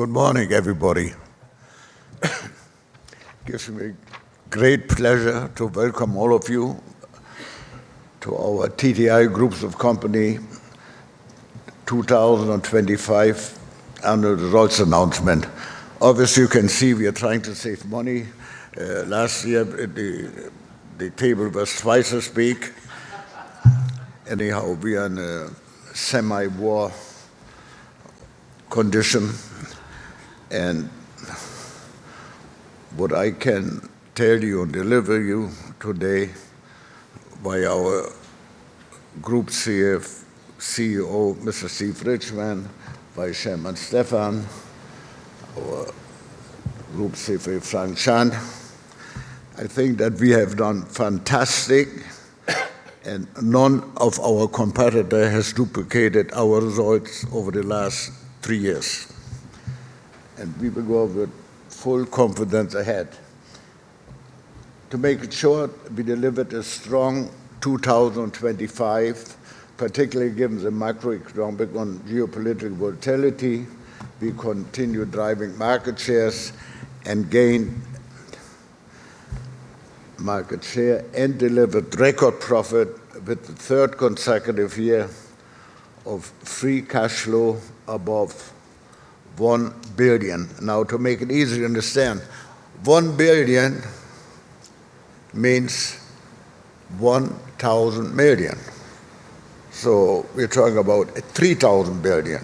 Good morning, everybody. Gives me great pleasure to welcome all of you to our TTI Group of Companies 2025 annual results announcement. Obviously, you can see we are trying to save money. Last year, the table was twice as big. We are in a semi-war condition. What I can tell you and deliver you today by our Group CEO, Mr. Steve Richman, by Vice Chairman Stephan, our Group CFO, Frank Chan. I think that we have done fantastic, none of our competitor has duplicated our results over the last three years, we will go over with full confidence ahead. To make it short, we delivered a strong 2025, particularly given the macroeconomic and geopolitical volatility. We continue driving market shares and gain market share and delivered record profit with the third consecutive year of free cash flow above $1 billion. Now, to make it easy to understand, $1 billion means $1,000 million. We're talking about $3,000 billion.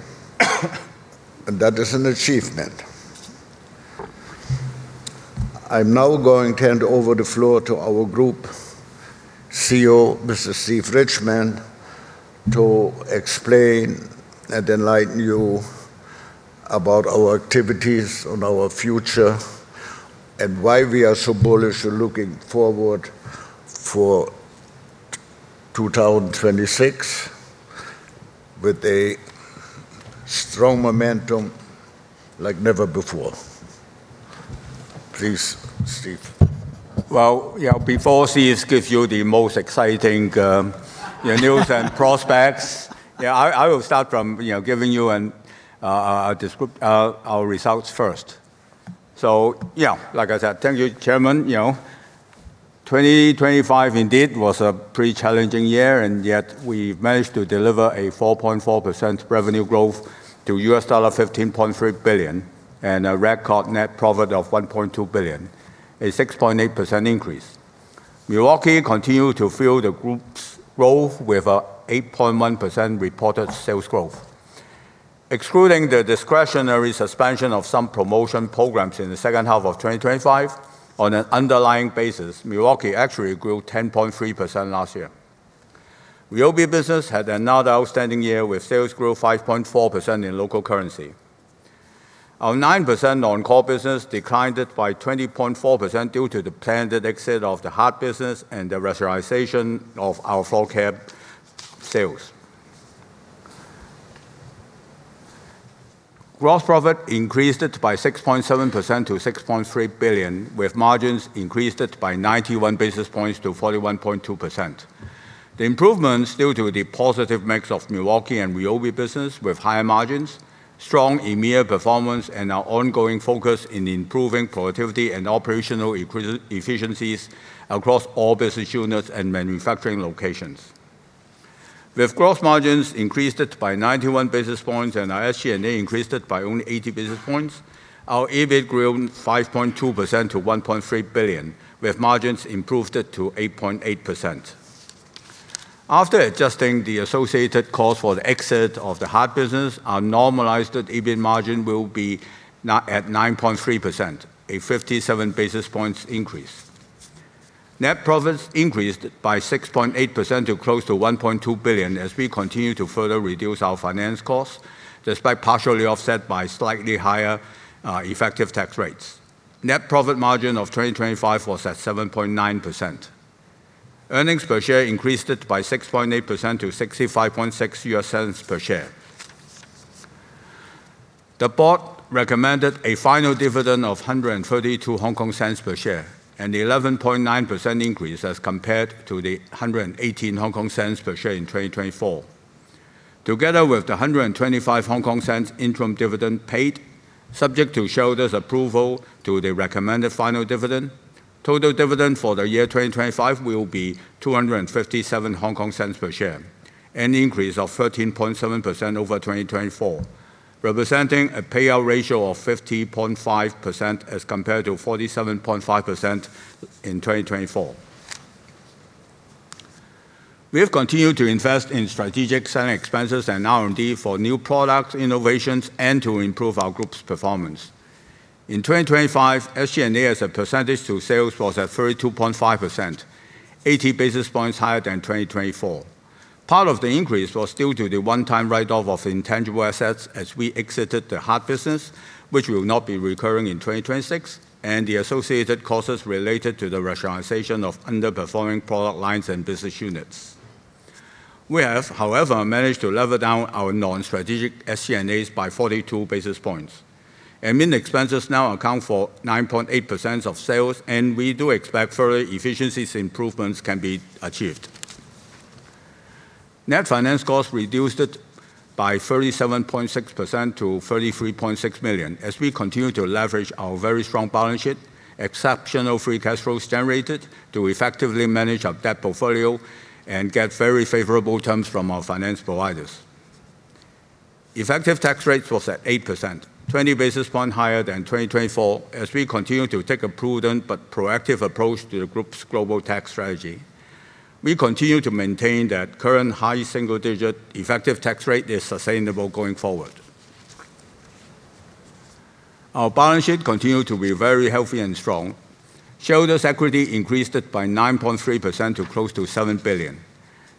That is an achievement. I'm now going to hand over the floor to our Group CEO, Mr. Steve Richman, to explain and enlighten you about our activities and our future and why we are so bullish and looking forward for 2026 with a strong momentum like never before. Please, Steve. Yeah, before Steve gives you the most exciting news and prospects, yeah, I will start from, you know, giving you an our results first. Yeah, like I said, thank you, Chairman. You know, 2025 indeed was a pretty challenging year, and yet we managed to deliver a 4.4% revenue growth to $15.3 billion and a record net profit of $1.2 billion, a 6.8% increase. Milwaukee continued to fuel the group's growth with an 8.1% reported sales growth. Excluding the discretionary suspension of some promotion programs in the second half of 2025, on an underlying basis, Milwaukee actually grew 10.3% last year. Ryobi business had another outstanding year, with sales grew 5.4% in local currency. Our 9% non-core business declined by 20.4% due to the planned exit of the HART business and the rationalization of our Floorcare sales. Gross profit increased by 6.7% to $6.3 billion, with margins increased by 91 basis points to 41.2%. The improvements due to the positive mix of Milwaukee and Ryobi business with higher margins, strong EMEA performance, and our ongoing focus in improving productivity and operational efficiencies across all business units and manufacturing locations. With gross margins increased by 91 basis points and our SG&A increased by only 80 basis points, our EBIT grew 5.2% to $1.3 billion, with margins improved to 8.8%. After adjusting the associated cost for the exit of the HART business, our normalized EBIT margin will be at 9.3%, a 57 basis points increase. Net profits increased by 6.8% to close to $1.2 billion as we continue to further reduce our finance costs, despite partially offset by slightly higher effective tax rates. Net profit margin of 2025 was at 7.9%. Earnings per share increased by 6.8% to $0.656 per share. The Board recommended a final dividend of 1.32 per share, an 11.9% increase as compared to 1.18 per share in 2024. Together with the 1.25 interim dividend paid, subject to shareholders' approval to the recommended final dividend, total dividend for the year 2025 will be 2.57 per share, an increase of 13.7% over 2024, representing a payout ratio of 50.5% as compared to 47.5% in 2024. We have continued to invest in strategic selling expenses and R&D for new product innovations and to improve our group's performance. In 2025, SG&A as a percentage to sales was at 32.5%, 80 basis points higher than 2024. Part of the increase was due to the one-time write-off of intangible assets as we exited the HART business, which will not be recurring in 2026, and the associated costs related to the rationalization of underperforming product lines and business units. We have, however, managed to level down our non-strategic SG&A by 42 basis points. Admin expenses now account for 9.8% of sales, We do expect further efficiencies improvements can be achieved. Net finance costs reduced it by 37.6% to $33.6 million as we continue to leverage our very strong balance sheet, exceptional free cash flows generated to effectively manage our debt portfolio and get very favorable terms from our finance providers. Effective tax rates was at 8%, 20 basis point higher than 2024 as we continue to take a prudent but proactive approach to the group's global tax strategy. We continue to maintain that current high single-digit effective tax rate is sustainable going forward. Our balance sheet continued to be very healthy and strong. Shareholders' equity increased it by 9.3% to close to $7 billion.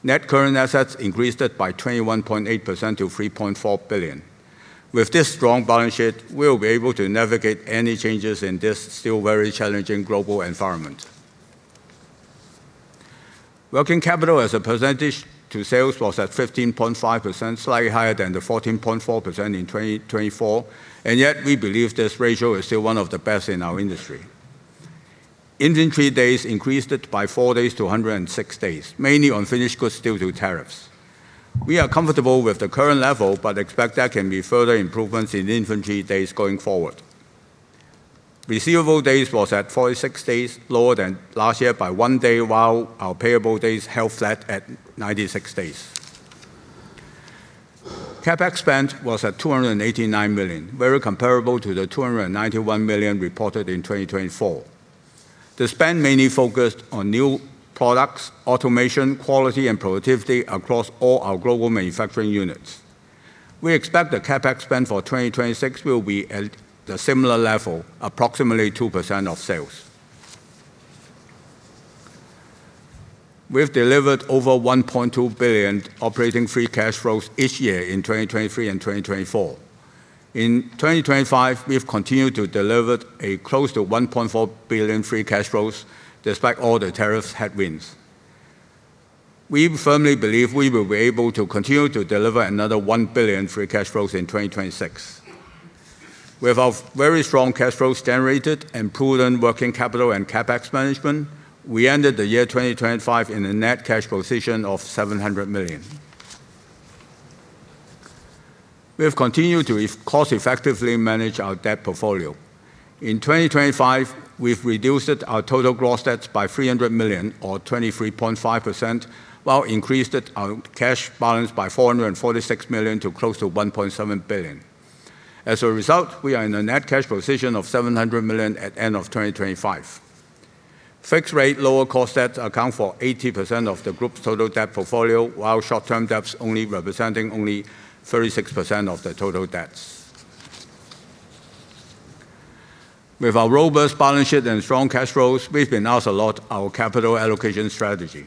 Net current assets increased it by 21.8% to $3.4 billion. With this strong balance sheet, we'll be able to navigate any changes in this still very challenging global environment. Working capital as a percentage to sales was at 15.5%, slightly higher than the 14.4% in 2024, and yet we believe this ratio is still one of the best in our industry. Inventory days increased it by 4 days-106 days, mainly on finished goods due to tariffs. We are comfortable with the current level but expect there can be further improvements in inventory days going forward. Receivable days was at 46 days lower than last year by 1 day while our payable days held flat at 96 days. CapEx spend was at $289 million, very comparable to the $291 million reported in 2024. The spend mainly focused on new products, automation, quality and productivity across all our global manufacturing units. We expect the CapEx spend for 2026 will be at the similar level, approximately 2% of sales. We have delivered over $1.2 billion operating free cash flows each year in 2023 and 2024. In 2025, we have continued to deliver a close to $1.4 billion free cash flows despite all the tariffs headwinds. We firmly believe we will be able to continue to deliver another $1 billion free cash flows in 2026. With our very strong cash flows generated and prudent working capital and CapEx management, we ended the year 2025 in a net cash position of $700 million. We have continued to cost effectively manage our debt portfolio. In 2025, we've reduced our total gross debts by $300 million or 23.5% while increased our cash balance by $446 million to close to $1.7 billion. As a result, we are in a net cash position of $700 million at end of 2025. Fixed rate lower cost debt account for 80% of the group's total debt portfolio while short-term debts only representing 36% of the total debts. With our robust balance sheet and strong cash flows, we've been asked to allot our capital allocation strategy.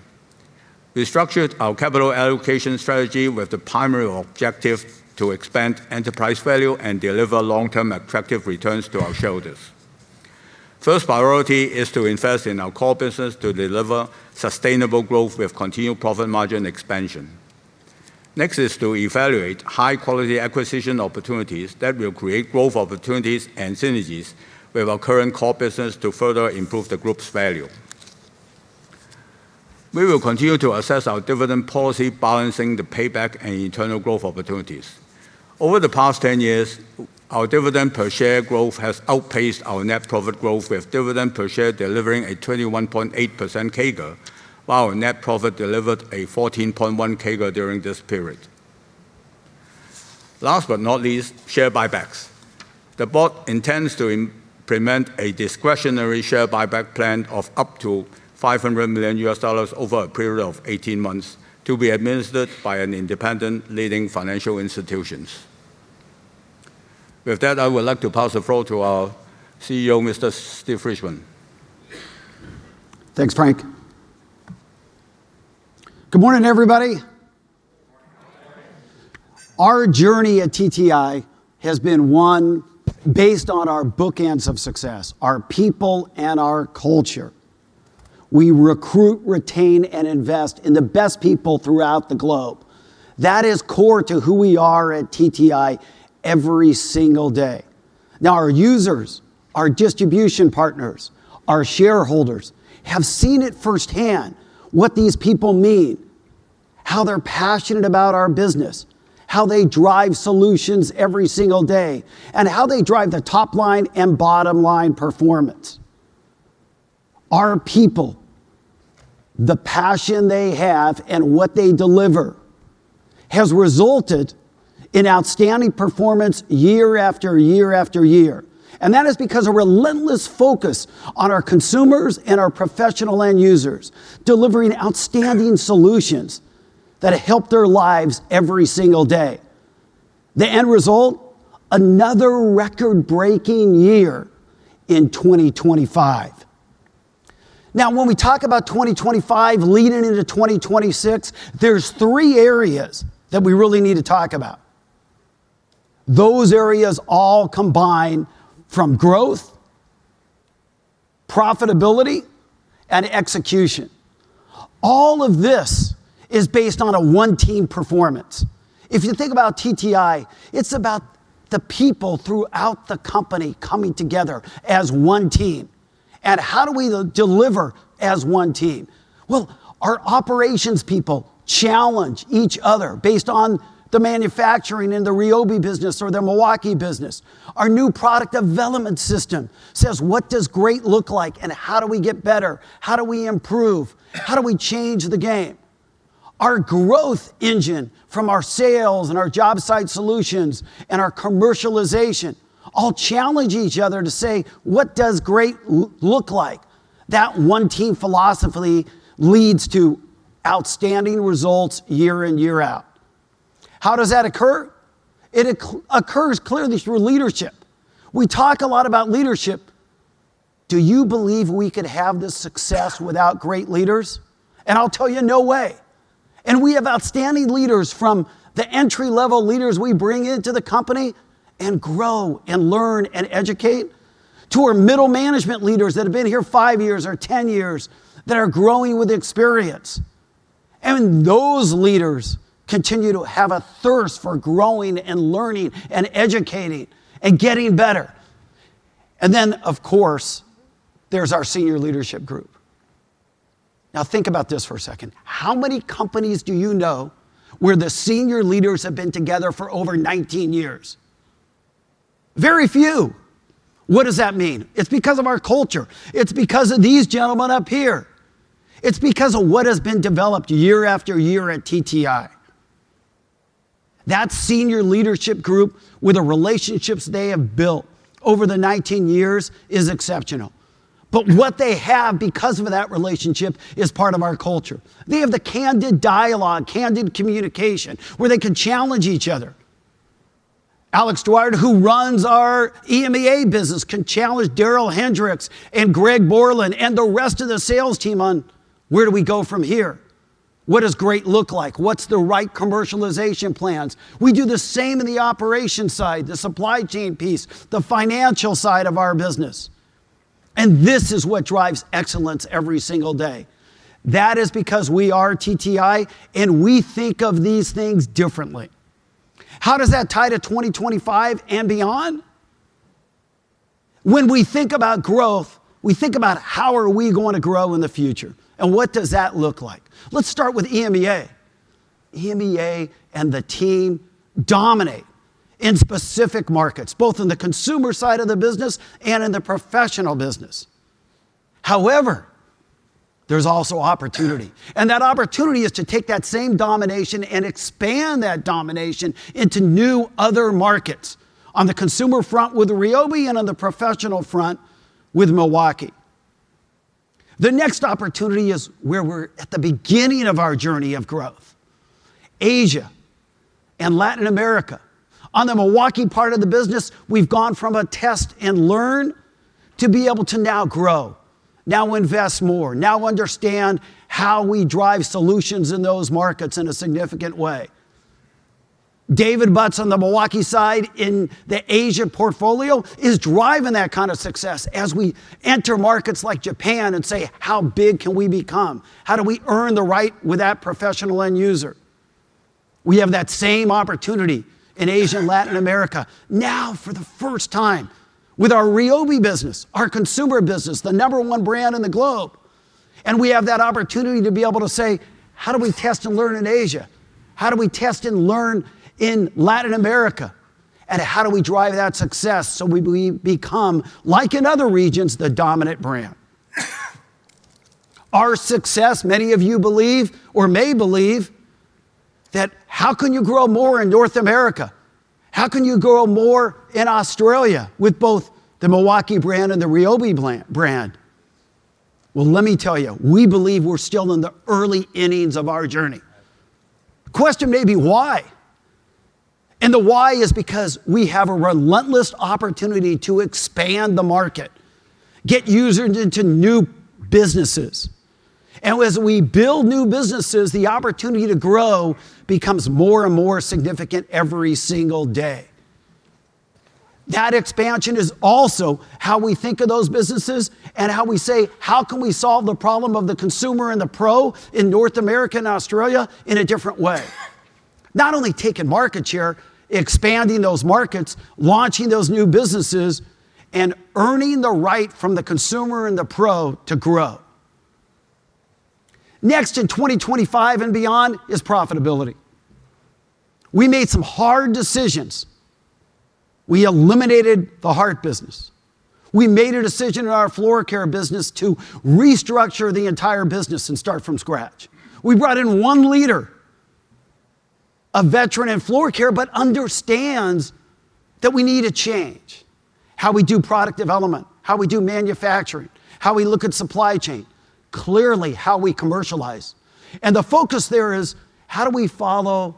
We structured our capital allocation strategy with the primary objective to expand enterprise value and deliver long-term attractive returns to our shareholders. First priority is to invest in our core business to deliver sustainable growth with continued profit margin expansion. Next is to evaluate high quality acquisition opportunities that will create growth opportunities and synergies with our current core business to further improve the group's value. We will continue to assess our dividend policy balancing the payback and internal growth opportunities. Over the past 10 years, our dividend per share growth has outpaced our net profit growth with dividend per share delivering a 21.8% CAGR, while our net profit delivered a 14.1% CAGR during this period. Last but not least, share buybacks. The board intends to implement a discretionary share buyback plan of up to $500 million over a period of 18 months to be administered by an independent leading financial institutions. With that, I would like to pass the floor to our CEO, Mr. Steve Richman. Thanks, Frank. Good morning, everybody. Our journey at TTI has been one based on our bookends of success, our people and our culture. We recruit, retain and invest in the best people throughout the globe. That is core to who we are at TTI every single day. Our users, our distribution partners, our shareholders have seen it firsthand what these people mean, how they're passionate about our business, how they drive solutions every single day, and how they drive the top line and bottom line performance. Our people, the passion they have and what they deliver has resulted in outstanding performance year after year after year. That is because a relentless focus on our consumers and our professional end users delivering outstanding solutions that help their lives every single day. The end result, another record-breaking year in 2025. When we talk about 2025 leading into 2026, there's three areas that we really need to talk about. Those areas all combine from growth, profitability and execution. All of this is based on a one team performance. If you think about TTI, it's about the people throughout the company coming together as one team. How do we deliver as one team? Well, our operations people challenge each other based on the manufacturing in the Ryobi business or the Milwaukee business. Our new product development system says, "What does great look like and how do we get better? How do we improve? How do we change the game?" Our growth engine from our sales and our job site solutions and our commercialization all challenge each other to say, "What does great look like?" That one team philosophy leads to outstanding results year in, year out. How does that occur? It occurs clearly through leadership. We talk a lot about leadership. Do you believe we could have this success without great leaders? I'll tell you, no way. We have outstanding leaders from the entry-level leaders we bring into the company and grow and learn and educate, to our middle management leaders that have been here five years or 10 years that are growing with experience. Those leaders continue to have a thirst for growing and learning and educating and getting better. Of course, there's our senior leadership group. Now, think about this for a second. How many companies do you know where the senior leaders have been together for over 19 years? Very few. What does that mean? It's because of our culture. It's because of these gentlemen up here. It's because of what has been developed year after year at TTI. That senior leadership group with the relationships they have built over the 19 years is exceptional. What they have because of that relationship is part of our culture. They have the candid dialogue, candid communication, where they can challenge each other. Alex Duarte, who runs our EMEA business, can challenge Darrell Hendrix and Greg Borland and the rest of the sales team on where do we go from here? What does great look like? What's the right commercialization plans? We do the same in the operation side, the supply chain piece, the financial side of our business. This is what drives excellence every single day. That is because we are TTI, and we think of these things differently. How does that tie to 2025 and beyond? When we think about growth, we think about how are we going to grow in the future and what does that look like? Let's start with EMEA. EMEA and the team dominate in specific markets, both in the consumer side of the business and in the professional business. However, there's also opportunity, and that opportunity is to take that same domination and expand that domination into new other markets on the consumer front with Ryobi and on the professional front with Milwaukee. The next opportunity is where we're at the beginning of our journey of growth, Asia and Latin America. On the Milwaukee part of the business, we've gone from a test and learn to be able to now grow, now invest more, now understand how we drive solutions in those markets in a significant way. David Butts on the Milwaukee side in the Asia portfolio is driving that kind of success as we enter markets like Japan and say, "How big can we become? How do we earn the right with that professional end user?" We have that same opportunity in Asia and Latin America now for the first time with our Ryobi business, our consumer business, the number one brand in the globe. We have that opportunity to be able to say, "How do we test and learn in Asia? How do we test and learn in Latin America? How do we drive that success so we become, like in other regions, the dominant brand?" Our success, many of you believe or may believe that how can you grow more in North America? How can you grow more in Australia with both the Milwaukee brand and the Ryobi brand? Well, let me tell you, we believe we're still in the early innings of our journey. Question may be why? The why is because we have a relentless opportunity to expand the market, get users into new businesses. As we build new businesses, the opportunity to grow becomes more and more significant every single day. That expansion is also how we think of those businesses and how we say, "How can we solve the problem of the consumer and the pro in North America and Australia in a different way?" Not only taking market share, expanding those markets, launching those new businesses, and earning the right from the consumer and the pro to grow. Next in 2025 and beyond is profitability. We made some hard decisions. We eliminated the HART business. We made a decision in our Floorcare business to restructure the entire business and start from scratch. We brought in one leader, a veteran in Floorcare, but understands that we need to change. How we do product development? How we do manufacturing? How we look at supply chain? Clearly how we commercialize? The focus there is how do we follow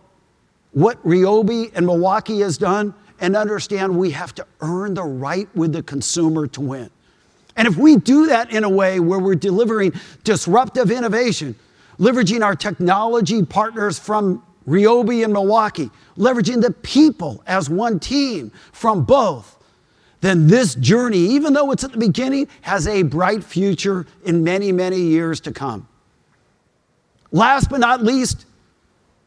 what Ryobi and Milwaukee has done and understand we have to earn the right with the consumer to win. If we do that in a way where we're delivering disruptive innovation, leveraging our technology partners from Ryobi and Milwaukee, leveraging the people as one team from both, then this journey, even though it's at the beginning, has a bright future in many, many years to come. Last but not least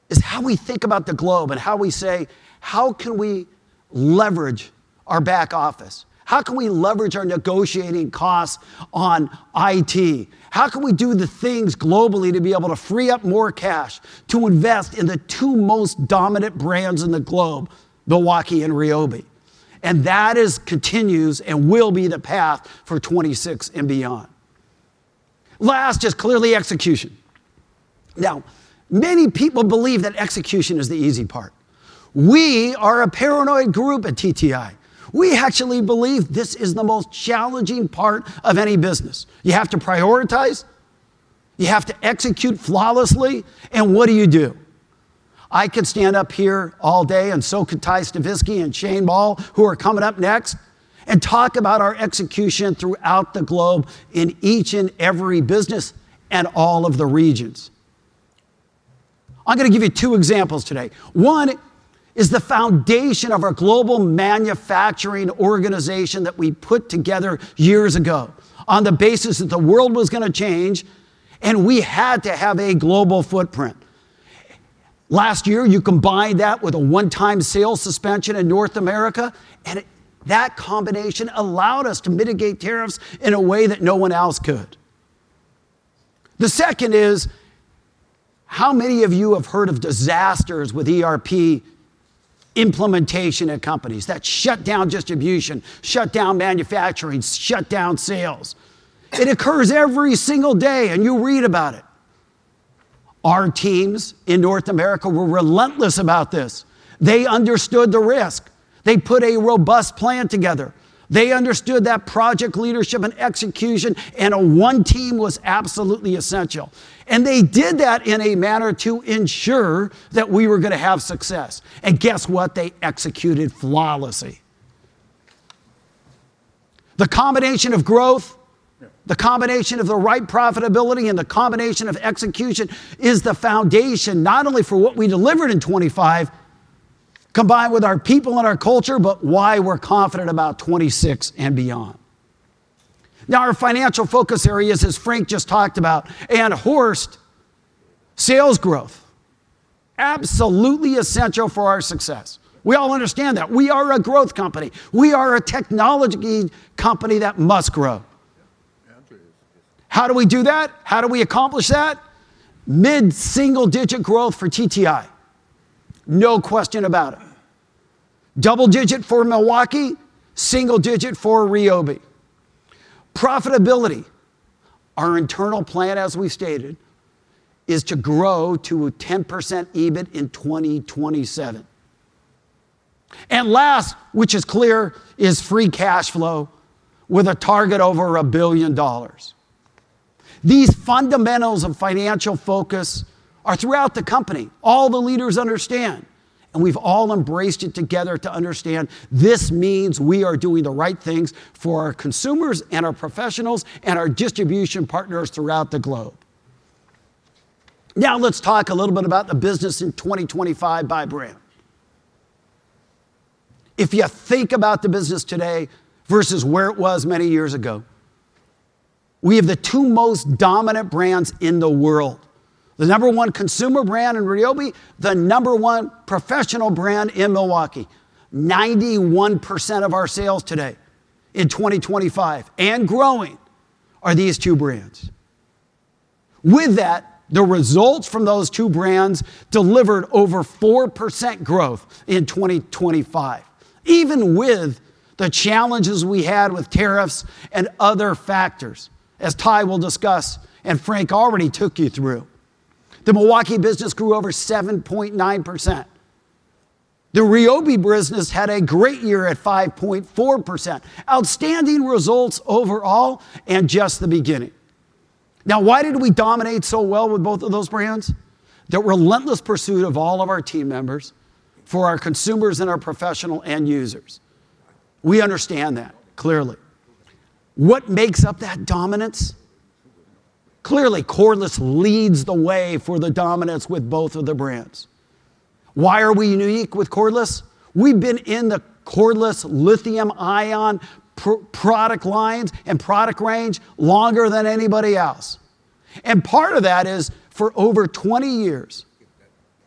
is how we think about the globe and how we say, how can we leverage our back office? How can we leverage our negotiating costs on IT? How can we do the things globally to be able to free up more cash to invest in the two most dominant brands in the globe, Milwaukee and Ryobi? That is, continues, and will be the path for 2026 and beyond. Last is clearly execution. Many people believe that execution is the easy part. We are a paranoid group at TTI. We actually believe this is the most challenging part of any business. You have to prioritize, you have to execute flawlessly. What do you do? I could stand up here all day and so could Ty Stavisky and Shane Moll, who are coming up next, and talk about our execution throughout the globe in each and every business and all of the regions. I'm gonna give you two examples today. One is the foundation of our global manufacturing organization that we put together years ago on the basis that the world was gonna change. We had to have a global footprint. Last year, you combined that with a one-time sales suspension in North America. That combination allowed us to mitigate tariffs in a way that no one else could. The second is how many of you have heard of disasters with ERP implementation at companies that shut down distribution, shut down manufacturing, shut down sales? It occurs every single day, and you read about it. Our teams in North America were relentless about this. They understood the risk. They put a robust plan together. They understood that project leadership and execution and a one team was absolutely essential. They did that in a manner to ensure that we were gonna have success. Guess what? They executed flawlessly. The combination of growth, the combination of the right profitability, and the combination of execution is the foundation not only for what we delivered in 2025, combined with our people and our culture, but why we're confident about 2026 and beyond. Our financial focus areas, as Frank just talked about and Horst, sales growth. Absolutely essential for our success. We all understand that. We are a growth company. We are a technology company that must grow. How do we do that? How do we accomplish that? Mid-single digit growth for TTI, no question about it. Double digit for Milwaukee. Single digit for Ryobi. Profitability. Our internal plan, as we stated, is to grow to a 10% EBIT in 2027. Last, which is clear, is free cash flow with a target over $1 billion. These fundamentals of financial focus are throughout the company. All the leaders understand, and we've all embraced it together to understand this means we are doing the right things for our consumers and our professionals and our distribution partners throughout the globe. Now let's talk a little bit about the business in 2025 by brand. If you think about the business today versus where it was many years ago, we have the two most dominant brands in the world. The number one consumer brand in Ryobi, the number one professional brand in Milwaukee. 91% of our sales today in 2025 and growing are these two brands. The results from those two brands delivered over 4% growth in 2025, even with the challenges we had with tariffs and other factors, as Ty will discuss and Frank already took you through. The Milwaukee business grew over 7.9%. The Ryobi business had a great year at 5.4%. Outstanding results overall and just the beginning. Why did we dominate so well with both of those brands? The relentless pursuit of all of our team members for our consumers and our professional end users. We understand that, clearly. What makes up that dominance? Clearly, cordless leads the way for the dominance with both of the brands. Why are we unique with cordless? We've been in the cordless lithium-ion product lines and product range longer than anybody else. Part of that is, for over 20 years,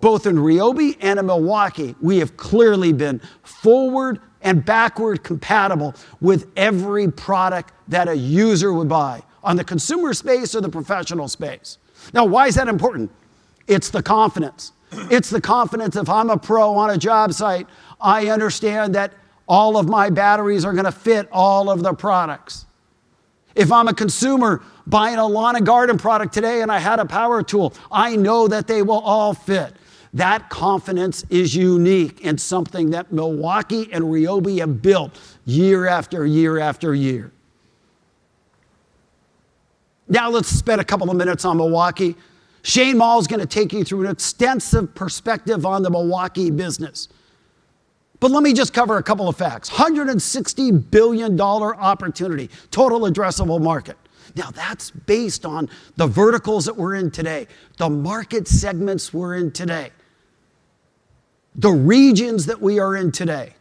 both in Ryobi and in Milwaukee, we have clearly been forward and backward compatible with every product that a user would buy on the consumer space or the professional space. Why is that important? It's the confidence. It's the confidence if I'm a pro on a job site, I understand that all of my batteries are gonna fit all of the products. If I'm a consumer buying a lawn and garden product today and I had a power tool, I know that they will all fit. That confidence is unique and something that Milwaukee and Ryobi have built year-after-year-after-year. Let's spend a couple of minutes on Milwaukee. Shane Moll's gonna take you through an extensive perspective on the Milwaukee business. Let me just cover a couple of facts. $160 billion opportunity, total addressable market. That's based on the verticals that we're in today, the market segments we're in today. The regions that we are in today,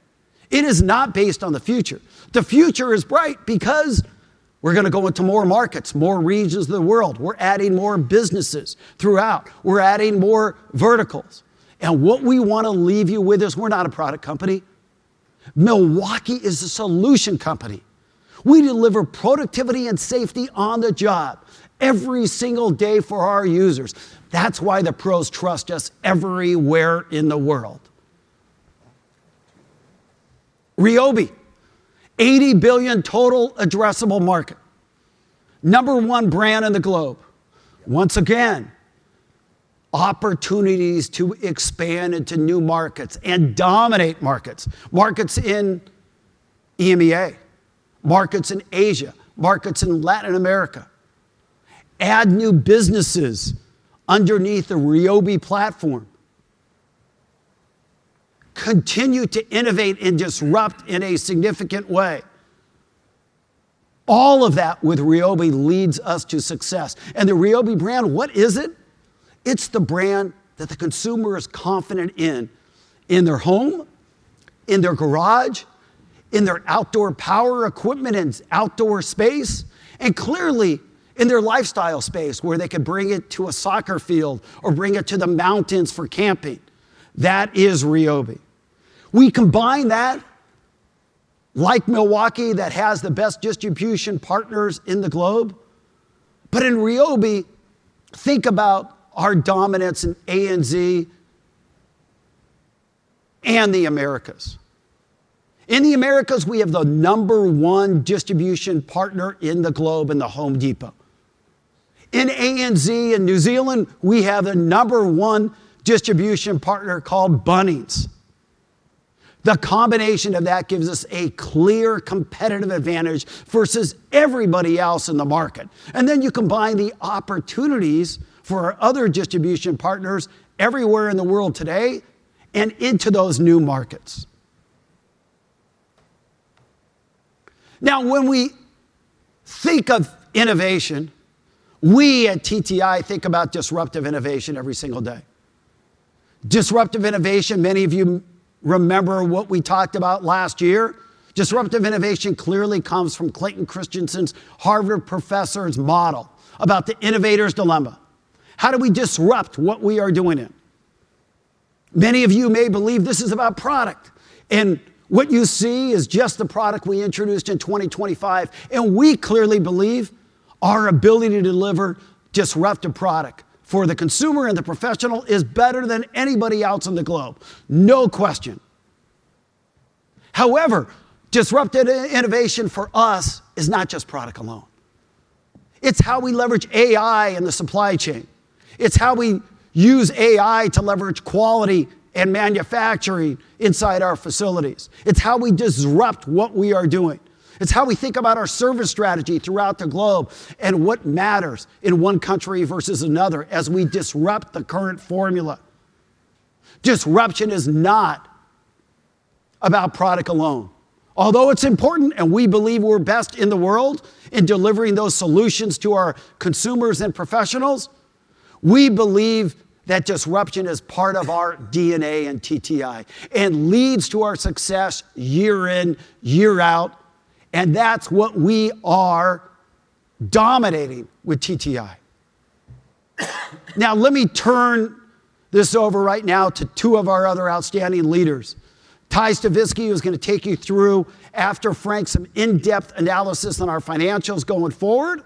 it is not based on the future. The future is bright because we're gonna go into more markets, more regions of the world. We're adding more businesses throughout. We're adding more verticals. What we wanna leave you with is we're not a product company. Milwaukee is a solution company. We deliver productivity and safety on the job every single day for our users. That's why the pros trust us everywhere in the world. Ryobi, $80 billion total addressable market. Number one brand in the globe. Once again, opportunities to expand into new markets and dominate markets. Markets in EMEA, markets in Asia, markets in Latin America. Add new businesses underneath the Ryobi platform. Continue to innovate and disrupt in a significant way. All of that with Ryobi leads us to success. The Ryobi brand, what is it? It's the brand that the consumer is confident in their home, in their garage, in their outdoor power equipment and outdoor space, and clearly in their lifestyle space, where they can bring it to a soccer field or bring it to the mountains for camping. That is Ryobi. We combine that, like Milwaukee that has the best distribution partners in the globe. In Ryobi, think about our dominance in ANZ and the Americas. In the Americas, we have the number one distribution partner in the globe in The Home Depot. In ANZ and New Zealand, we have a number one distribution partner called Bunnings. The combination of that gives us a clear competitive advantage versus everybody else in the market. You combine the opportunities for our other distribution partners everywhere in the world today and into those new markets. Now, when we think of innovation, we at TTI think about disruptive innovation every single day. Disruptive innovation, many of you remember what we talked about last year. Disruptive innovation clearly comes from Clayton Christensen's Harvard professor's model about the Innovator's Dilemma. How do we disrupt what we are doing it? Many of you may believe this is about product, and what you see is just the product we introduced in 2025, and we clearly believe our ability to deliver disruptive product for the consumer and the professional is better than anybody else in the globe. No question. However, Disruptive Innovation for us is not just product alone. It's how we leverage AI in the supply chain. It's how we use AI to leverage quality and manufacturing inside our facilities. It's how we disrupt what we are doing. It's how we think about our service strategy throughout the globe and what matters in one country versus another as we disrupt the current formula. Disruption is not about product alone. Although it's important and we believe we're best in the world in delivering those solutions to our consumers and professionals, we believe that disruption is part of our DNA in TTI and leads to our success year in, year out, and that's what we are dominating with TTI. Let me turn this over right now to two of our other outstanding leaders. Ty Stavisky, who's gonna take you through, after Frank, some in-depth analysis on our financials going forward.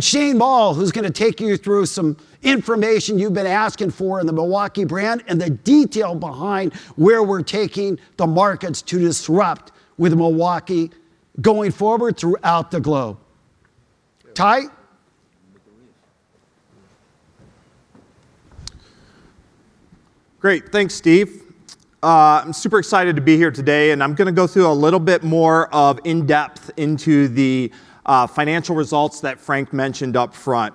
Shane Moll, who's gonna take you through some information you've been asking for in the Milwaukee brand and the detail behind where we're taking the markets to disrupt with Milwaukee going forward throughout the globe. Ty? Great. Thanks, Steve. I'm super excited to be here today, I'm gonna go through a little bit more of in-depth into the financial results that Frank mentioned up front.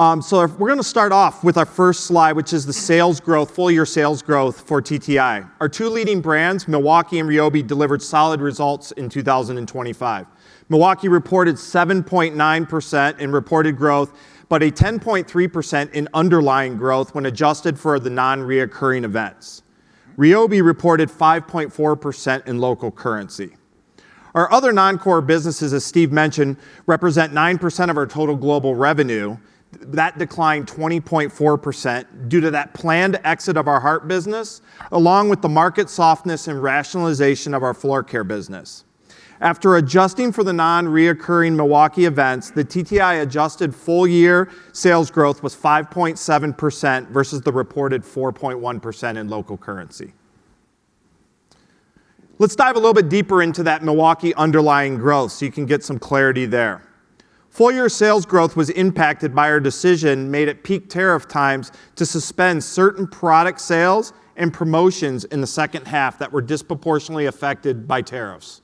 If we're gonna start off with our first slide, which is the sales growth, full-year sales growth for TTI. Our two leading brands, Milwaukee and Ryobi, delivered solid results in 2025. Milwaukee reported 7.9% in reported growth, but a 10.3% in underlying growth when adjusted for the non-reoccurring events. Ryobi reported 5.4% in local currency. Our other non-core businesses, as Steve mentioned, represent 9% of our total global revenue. That declined 20.4% due to that planned exit of our HART business, along with the market softness and rationalization of our Floorcare business. After adjusting for the non-recurring Milwaukee events, the TTI adjusted full-year sales growth was 5.7% versus the reported 4.1% in local currency. Let's dive a little bit deeper into that Milwaukee underlying growth so you can get some clarity there. Full-year sales growth was impacted by our decision made at peak tariff times to suspend certain product sales and promotions in the second half that were disproportionately affected by tariffs.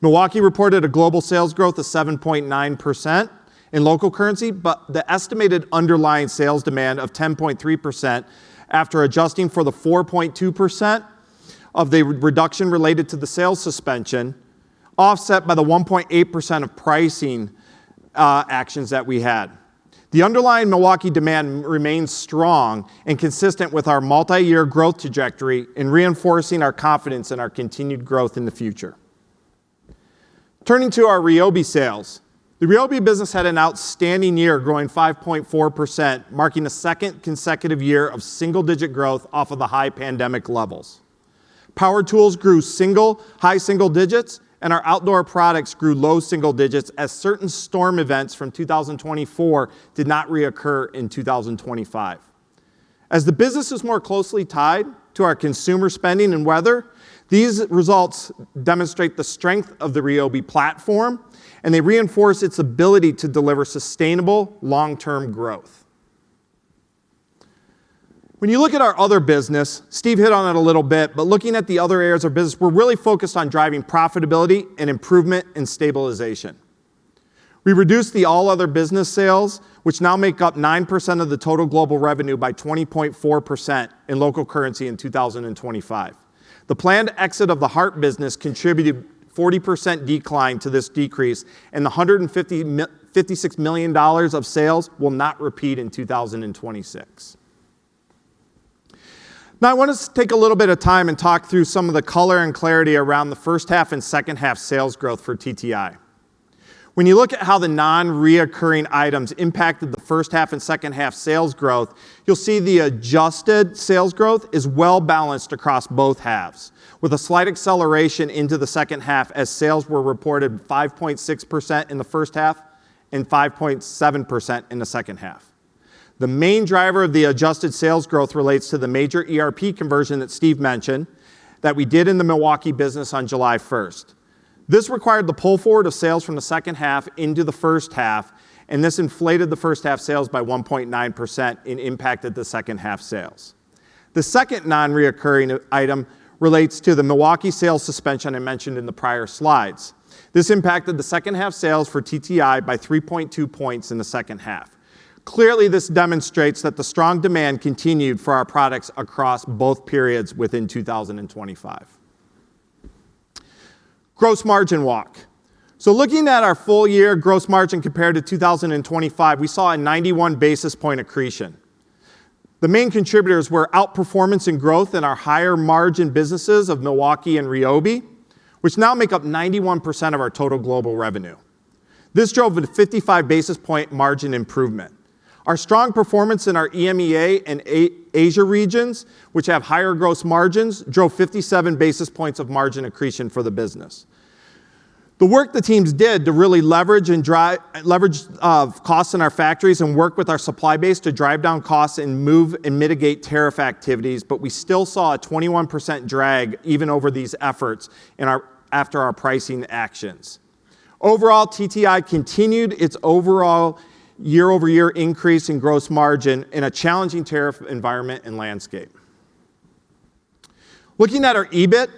Milwaukee reported a global sales growth of 7.9% in local currency, but the estimated underlying sales demand of 10.3% after adjusting for the 4.2% of the re-reduction related to the sales suspension offset by the 1.8% of pricing actions that we had. The underlying Milwaukee demand remains strong and consistent with our multi-year growth trajectory in reinforcing our confidence in our continued growth in the future. Turning to our Ryobi sales. The Ryobi business had an outstanding year, growing 5.4%, marking the second consecutive year of single digit growth off of the high pandemic levels. Power tools grew high-single digits, and our outdoor products grew low-single digits as certain storm events from 2024 did not reoccur in 2025. As the business is more closely tied to our consumer spending and weather, these results demonstrate the strength of the Ryobi platform, and they reinforce its ability to deliver sustainable long-term growth. When you look at our other business, Steve hit on it a little bit, looking at the other areas of business, we're really focused on driving profitability and improvement and stabilization. We reduced the all other business sales, which now make up 9% of the total global revenue by 20.4% in local currency in 2025. The planned exit of the HART business contributed 40% decline to this decrease, the $156 million of sales will not repeat in 2026. I want us to take a little bit of time and talk through some of the color and clarity around the first half and second half sales growth for TTI. When you look at how the non-reoccurring items impacted the first half and second-half sales growth, you'll see the adjusted sales growth is well-balanced across both halves, with a slight acceleration into the second half as sales were reported 5.6% in the first half and 5.7% in the second half. The main driver of the adjusted sales growth relates to the major ERP conversion that Steve mentioned that we did in the Milwaukee business on July 1st. This required the pull forward of sales from the second half into the first half. This inflated the first half sales by 1.9% and impacted the second half sales. The second non-reoccurring item relates to the Milwaukee sales suspension I mentioned in the prior slides. This impacted the second half sales for TTI by 3.2 points in the second half. This demonstrates that the strong demand continued for our products across both periods within 2025. Gross margin walk. Looking at our full year gross margin compared to 2025, we saw a 91 basis point accretion. The main contributors were outperformance and growth in our higher margin businesses of Milwaukee and Ryobi, which now make up 91% of our total global revenue. This drove a 55 basis point margin improvement. Our strong performance in our EMEA and Asia regions, which have higher gross margins, drove 57 basis points of margin accretion for the business. The work the teams did to really leverage and leverage costs in our factories and work with our supply base to drive down costs and move and mitigate tariff activities. We still saw a 21% drag even over these efforts after our pricing actions. TTI continued its overall year-over-year increase in gross margin in a challenging tariff environment and landscape. Looking at our EBIT,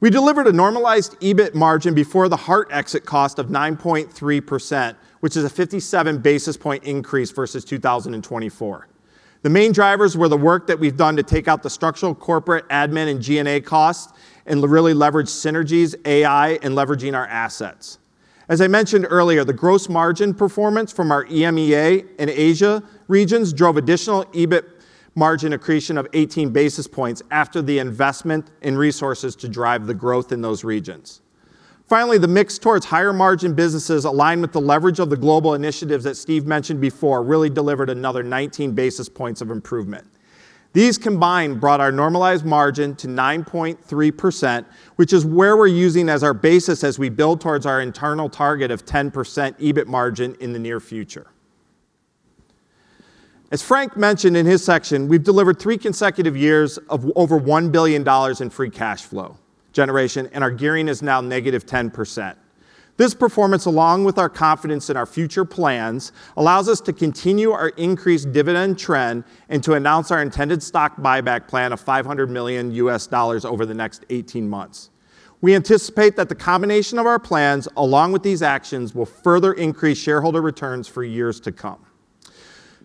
we delivered a normalized EBIT margin before the HART exit cost of 9.3%, which is a 57 basis point increase versus 2024. The main drivers were the work that we've done to take out the structural corporate admin and G&A costs and really leverage synergies, AI, and leveraging our assets. I mentioned earlier, the gross margin performance from our EMEA and Asia regions drove additional EBIT margin accretion of 18 basis points after the investment in resources to drive the growth in those regions. The mix towards higher margin businesses aligned with the leverage of the global initiatives that Steve mentioned before really delivered another 19 basis points of improvement. These combined brought our normalized margin to 9.3%, which is where we're using as our basis as we build towards our internal target of 10% EBIT margin in the near future. Frank mentioned in his section, we've delivered three consecutive years of over $1 billion in free cash flow generation, and our gearing is now -10%. This performance, along with our confidence in our future plans, allows us to continue our increased dividend trend and to announce our intended stock buyback plan of $500 million over the next 18 months. We anticipate that the combination of our plans, along with these actions, will further increase shareholder returns for years to come.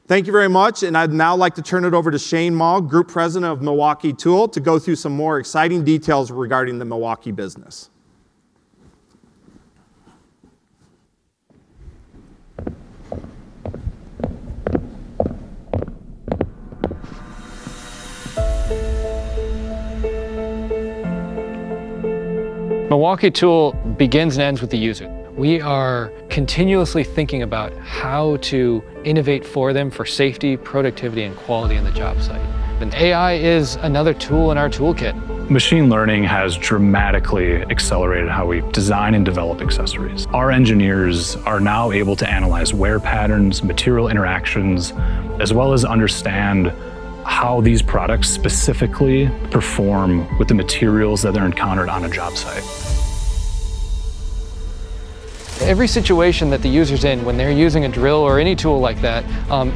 Thank you very much, and I'd now like to turn it over to Shane Moll, Group President of Milwaukee Tool, to go through some more exciting details regarding the Milwaukee business. Milwaukee Tool begins and ends with the user. We are continuously thinking about how to innovate for them for safety, productivity, and quality on the job site. AI is another tool in our toolkit. Machine learning has dramatically accelerated how we design and develop accessories. Our engineers are now able to analyze wear patterns, material interactions, as well as understand how these products specifically perform with the materials that are encountered on a job site. Every situation that the users in when they're using a drill or any tool like that,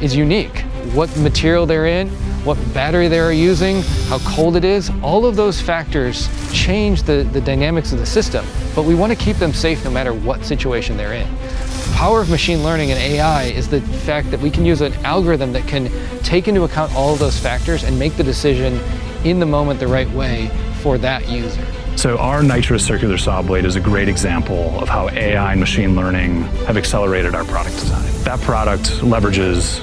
is unique. What material they're in, what battery they're using, how cold it is, all of those factors, change the dynamics of the system, but we wanna keep them safe no matter what situation they're in. The power of machine learning and AI is the fact that we can use an algorithm that can take into account all of those factors and make the decision in the moment the right way for that user. Our NITRUS circular saw blade is a great example of how AI and machine learning have accelerated our product design. That product leverages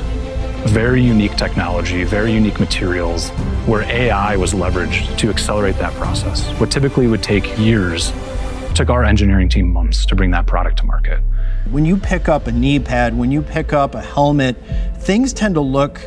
very unique technology, very unique materials, where AI was leveraged to accelerate that process. What typically would take years took our engineering team months to bring that product to market. When you pick up a knee pad, when you pick up a helmet, things tend to look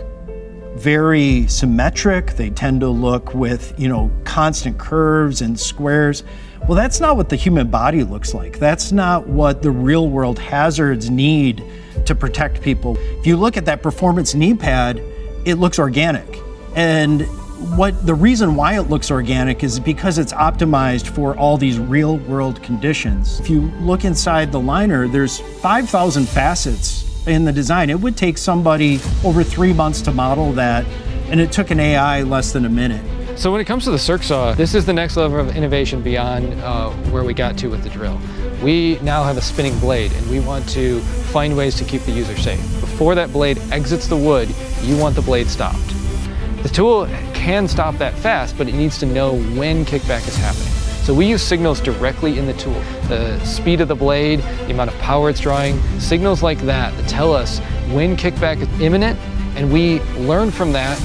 very symmetric. They tend to look with, you know, constant curves and squares. Well, that's not what the human body looks like. That's not what the real world hazards need to protect people. If you look at that performance knee pad, it looks organic. And what the reason why it looks organic is because it's optimized for all these real world conditions. If you look inside the liner, there's 5,000 facets in the design. It would take somebody over three months to model that, and it took an AI less than a minute. When it comes to the Circ Saw, this is the next level of innovation beyond where we got to with the drill. We now have a spinning blade, and we want to find ways to keep the user safe. Before that blade exits the wood, you want the blade stopped. The tool can stop that fast, but it needs to know when kickback is happening, so we use signals directly in the tool. The speed of the blade, the amount of power it's drawing, signals like that tell us when kickback is imminent, and we learn from that,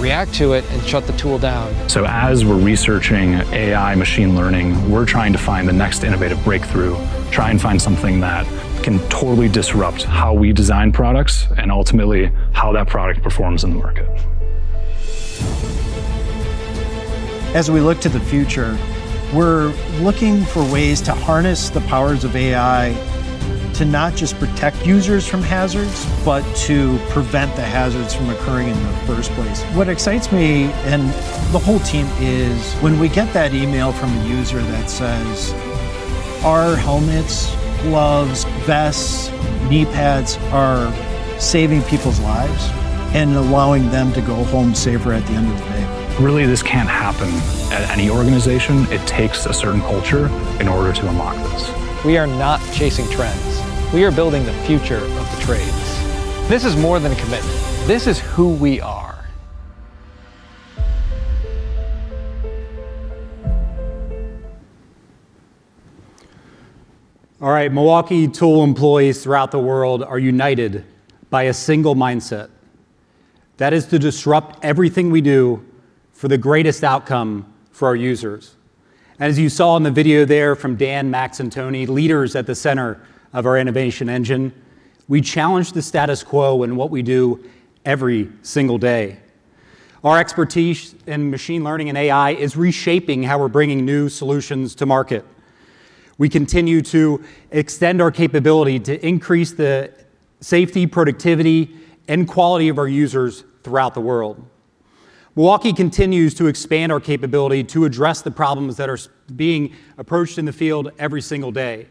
react to it, and shut the tool down. As we're researching AI machine learning, we're trying to find the next innovative breakthrough, try and find something that can totally disrupt how we design products and ultimately how that product performs in the market. As we look to the future, we're looking for ways to harness the powers of AI to not just protect users from hazards, but to prevent the hazards from occurring in the first place. What excites me and the whole team is when we get that email from a user that says our helmets, gloves, vests, knee pads are saving people's lives and allowing them to go home safer at the end of the day. Really, this can't happen at any organization. It takes a certain culture in order to unlock this. We are not chasing trends. We are building the future of the trades. This is more than a commitment. This is who we are. All right. Milwaukee Tool employees throughout the world are united by a single mindset, that is to disrupt everything we do for the greatest outcome for our users. As you saw in the video there from Dan, Max, and Tony, leaders at the center of our innovation engine, we challenge the status quo in what we do every single day. Our expertise in machine learning and AI is reshaping how we're bringing new solutions to market. We continue to extend our capability to increase the safety, productivity, and quality of our users throughout the world. Milwaukee continues to expand our capability to address the problems that are being approached in the field every single day.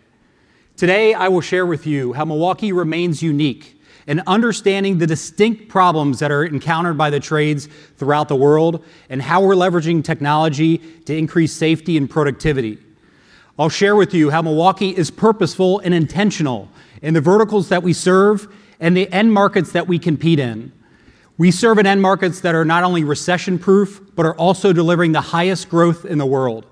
Today, I will share with you how Milwaukee remains unique in understanding the distinct problems that are encountered by the trades throughout the world and how we're leveraging technology to increase safety and productivity. I'll share with you how Milwaukee is purposeful and intentional in the verticals that we serve and the end markets that we compete in. We serve in end markets that are not only recession-proof, but are also delivering the highest growth in the world.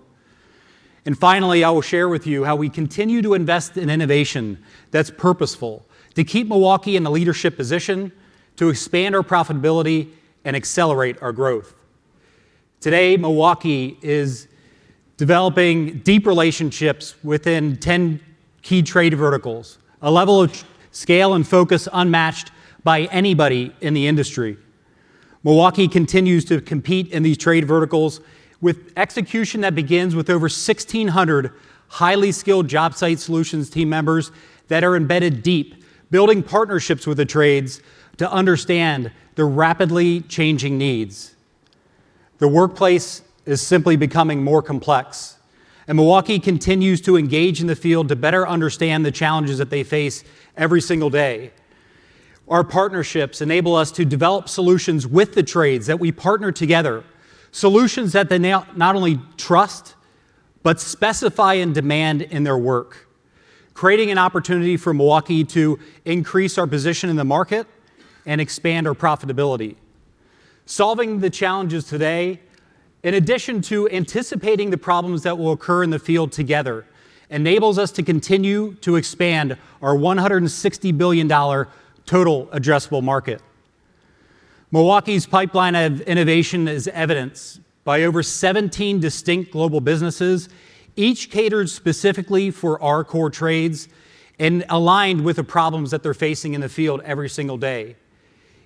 Finally, I will share with you how we continue to invest in innovation that's purposeful to keep Milwaukee in the leadership position, to expand our profitability, and accelerate our growth. Today, Milwaukee is developing deep relationships within 10 key trade verticals, a level of scale and focus unmatched by anybody in the industry. Milwaukee continues to compete in these trade verticals with execution that begins with over 1,600 highly skilled job site solutions team members that are embedded deep, building partnerships with the trades to understand their rapidly changing needs. The workplace is simply becoming more complex, and Milwaukee continues to engage in the field to better understand the challenges that they face every single day. Our partnerships enable us to develop solutions with the trades that we partner together, solutions that they now not only trust, but specify and demand in their work, creating an opportunity for Milwaukee to increase our position in the market and expand our profitability. Solving the challenges today, in addition to anticipating the problems that will occur in the field together, enables us to continue to expand our $160 billion total addressable market. Milwaukee's pipeline of innovation is evidenced by over 17 distinct global businesses, each catered specifically for our core trades and aligned with the problems that they're facing in the field every single day.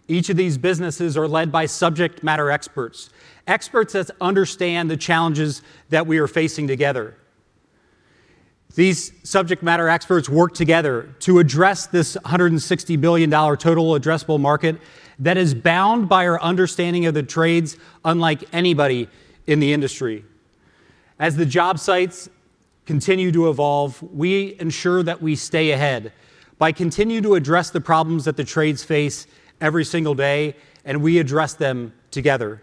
Each of these businesses are led by subject matter experts that understand the challenges that we are facing together. These subject matter experts work together to address this $160 billion total addressable market that is bound by our understanding of the trades unlike anybody in the industry. As the job sites continue to evolve. We ensure that we stay ahead by continue to address the problems that the trades face every single day. We address them together.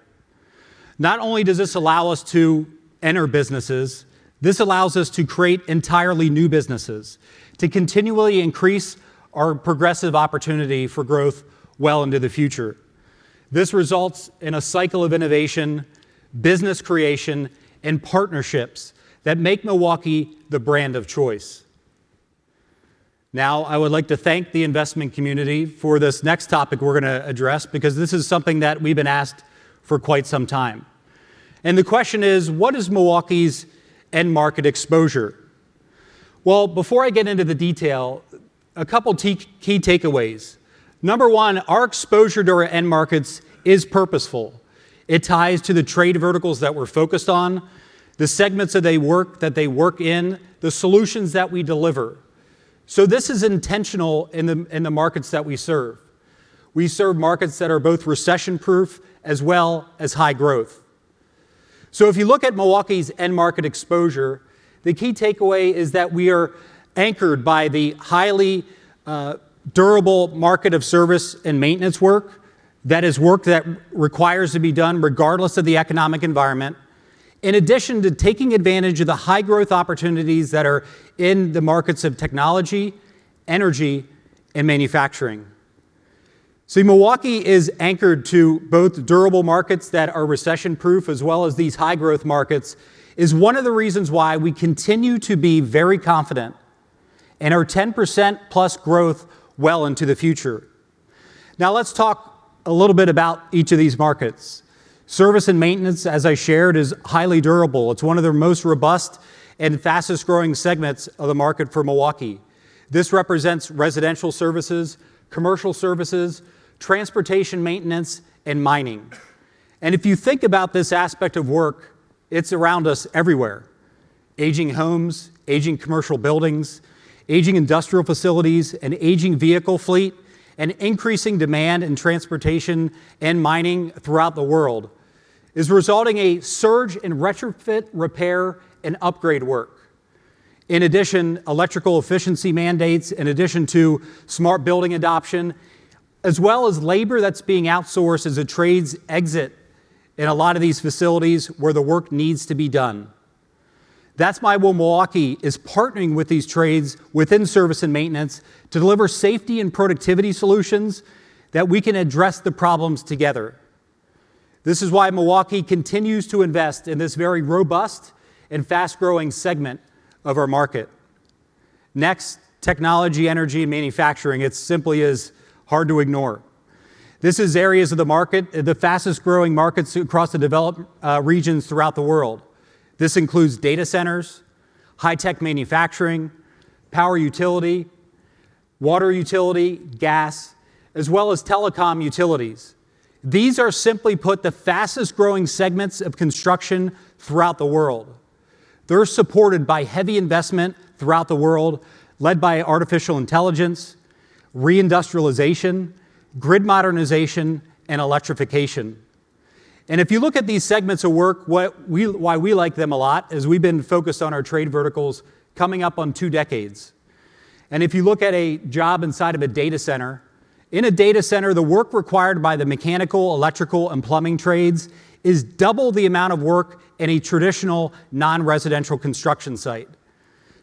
Not only does this allow us to enter businesses, this allows us to create entirely new businesses to continually increase our progressive opportunity for growth well into the future. This results in a cycle of innovation, business creation, and partnerships that make Milwaukee the brand of choice. I would like to thank the investment community for this next topic we're gonna address because this is something that we've been asked for quite some time. The question is: What is Milwaukee's end market exposure? Before I get into the detail, a couple key takeaways. Number one, our exposure to our end markets is purposeful. It ties to the trade verticals that we're focused on, the segments that they work in, the solutions that we deliver. This is intentional in the markets that we serve. We serve markets that are both recession-proof as well as high growth. If you look at Milwaukee's end market exposure, the key takeaway is that we are anchored by the highly durable market of service and maintenance work. That is work that requires to be done regardless of the economic environment, in addition to taking advantage of the high growth opportunities that are in the markets of technology, energy, and manufacturing. Milwaukee is anchored to both durable markets that are recession-proof as well as these high growth markets is one of the reasons why we continue to be very confident and our 10%+ growth well into the future. Let's talk a little bit about each of these markets. Service and maintenance, as I shared, is highly durable. It's one of the most robust and fastest-growing segments of the market for Milwaukee. This represents residential services, commercial services, transportation maintenance, and mining. If you think about this aspect of work, it's around us everywhere. Aging homes, aging commercial buildings, aging industrial facilities, an aging vehicle fleet, and increasing demand in transportation and mining throughout the world is resulting a surge in retrofit repair and upgrade work. In addition, electrical efficiency mandates, in addition to smart building adoption, as well as labor that's being outsourced as the trades exit in a lot of these facilities where the work needs to be done. That's why Milwaukee is partnering with these trades within service and maintenance to deliver safety and productivity solutions that we can address the problems together. This is why Milwaukee continues to invest in this very robust and fast-growing segment of our market. Next, technology, energy, and manufacturing. It simply is hard to ignore. This is areas of the market, the fastest-growing markets across the developed regions throughout the world. This includes data centers, high-tech manufacturing, power utility, water utility, gas, as well as telecom utilities. These are, simply put, the fastest-growing segments of construction throughout the world. They're supported by heavy investment throughout the world led by artificial intelligence, re-industrialization, grid modernization, and electrification. If you look at these segments of work, why we like them a lot is we've been focused on our trade verticals coming up on two decades. If you look at a job inside of a data center, in a data center, the work required by the mechanical, electrical, and plumbing trades is double the amount of work in a traditional non-residential construction site.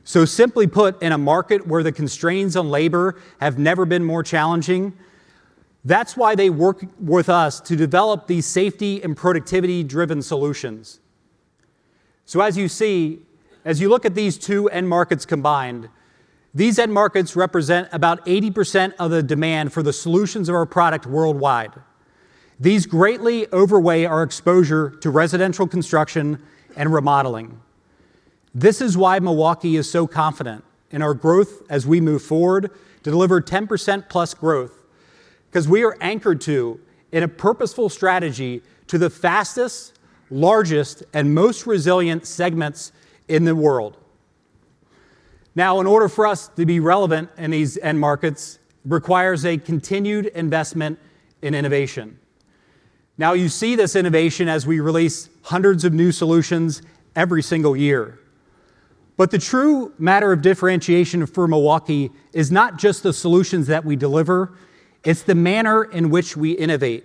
Simply put, in a market where the constraints on labor have never been more challenging, that's why they work with us to develop these safety and productivity-driven solutions. As you see, as you look at these two end markets combined, these end markets represent about 80% of the demand for the solutions of our product worldwide. These greatly outweigh our exposure to residential construction and remodeling. This is why Milwaukee is so confident in our growth as we move forward to deliver 10%+ growth, because we are anchored to, in a purposeful strategy, to the fastest, largest, and most resilient segments in the world. In order for us to be relevant in these end markets requires a continued investment in innovation. You see this innovation as we release hundreds of new solutions every single year. The true matter of differentiation for Milwaukee is not just the solutions that we deliver, it's the manner in which we innovate.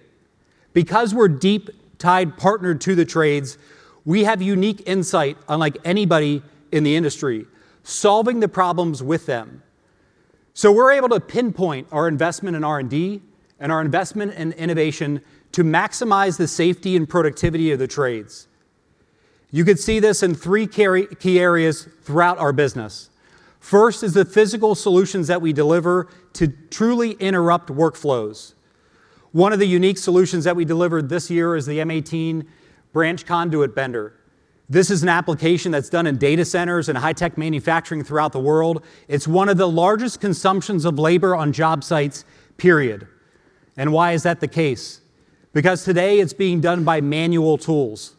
We're deep-tied partner to the trades, we have unique insight unlike anybody in the industry, solving the problems with them. We're able to pinpoint our investment in R&D and our investment in innovation to maximize the safety and productivity of the trades. You could see this in three key areas throughout our business. First is the physical solutions that we deliver to truly interrupt workflows. One of the unique solutions that we delivered this year is the M18 Branch Conduit Bender. This is an application that's done in data centers and high-tech manufacturing throughout the world. It's one of the largest consumptions of labor on job sites, period. Why is that the case? Today it's being done by manual tools.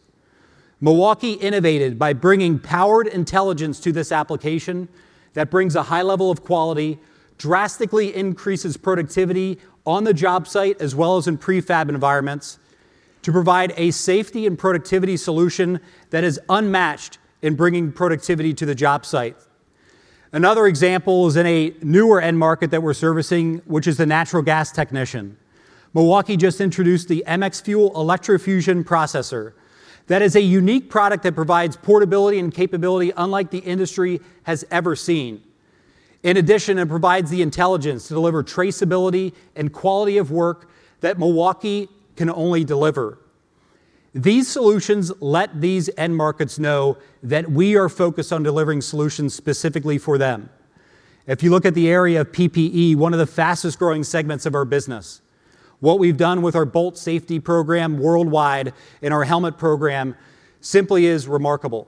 Milwaukee innovated by bringing powered intelligence to this application that brings a high level of quality, drastically increases productivity on the job site as well as in prefab environments. To provide a safety and productivity solution that is unmatched in bringing productivity to the job site. Another example is in a newer end market that we're servicing, which is the natural gas technician. Milwaukee just introduced the MX FUEL Electrofusion Processor. That is a unique product that provides portability and capability unlike the industry has ever seen. In addition, it provides the intelligence to deliver traceability and quality of work that Milwaukee can only deliver. These solutions let these end markets know that we are focused on delivering solutions specifically for them. If you look at the area of PPE, one of the fastest-growing segments of our business, what we've done with our BOLT Safety program worldwide and our Helmet program simply is remarkable.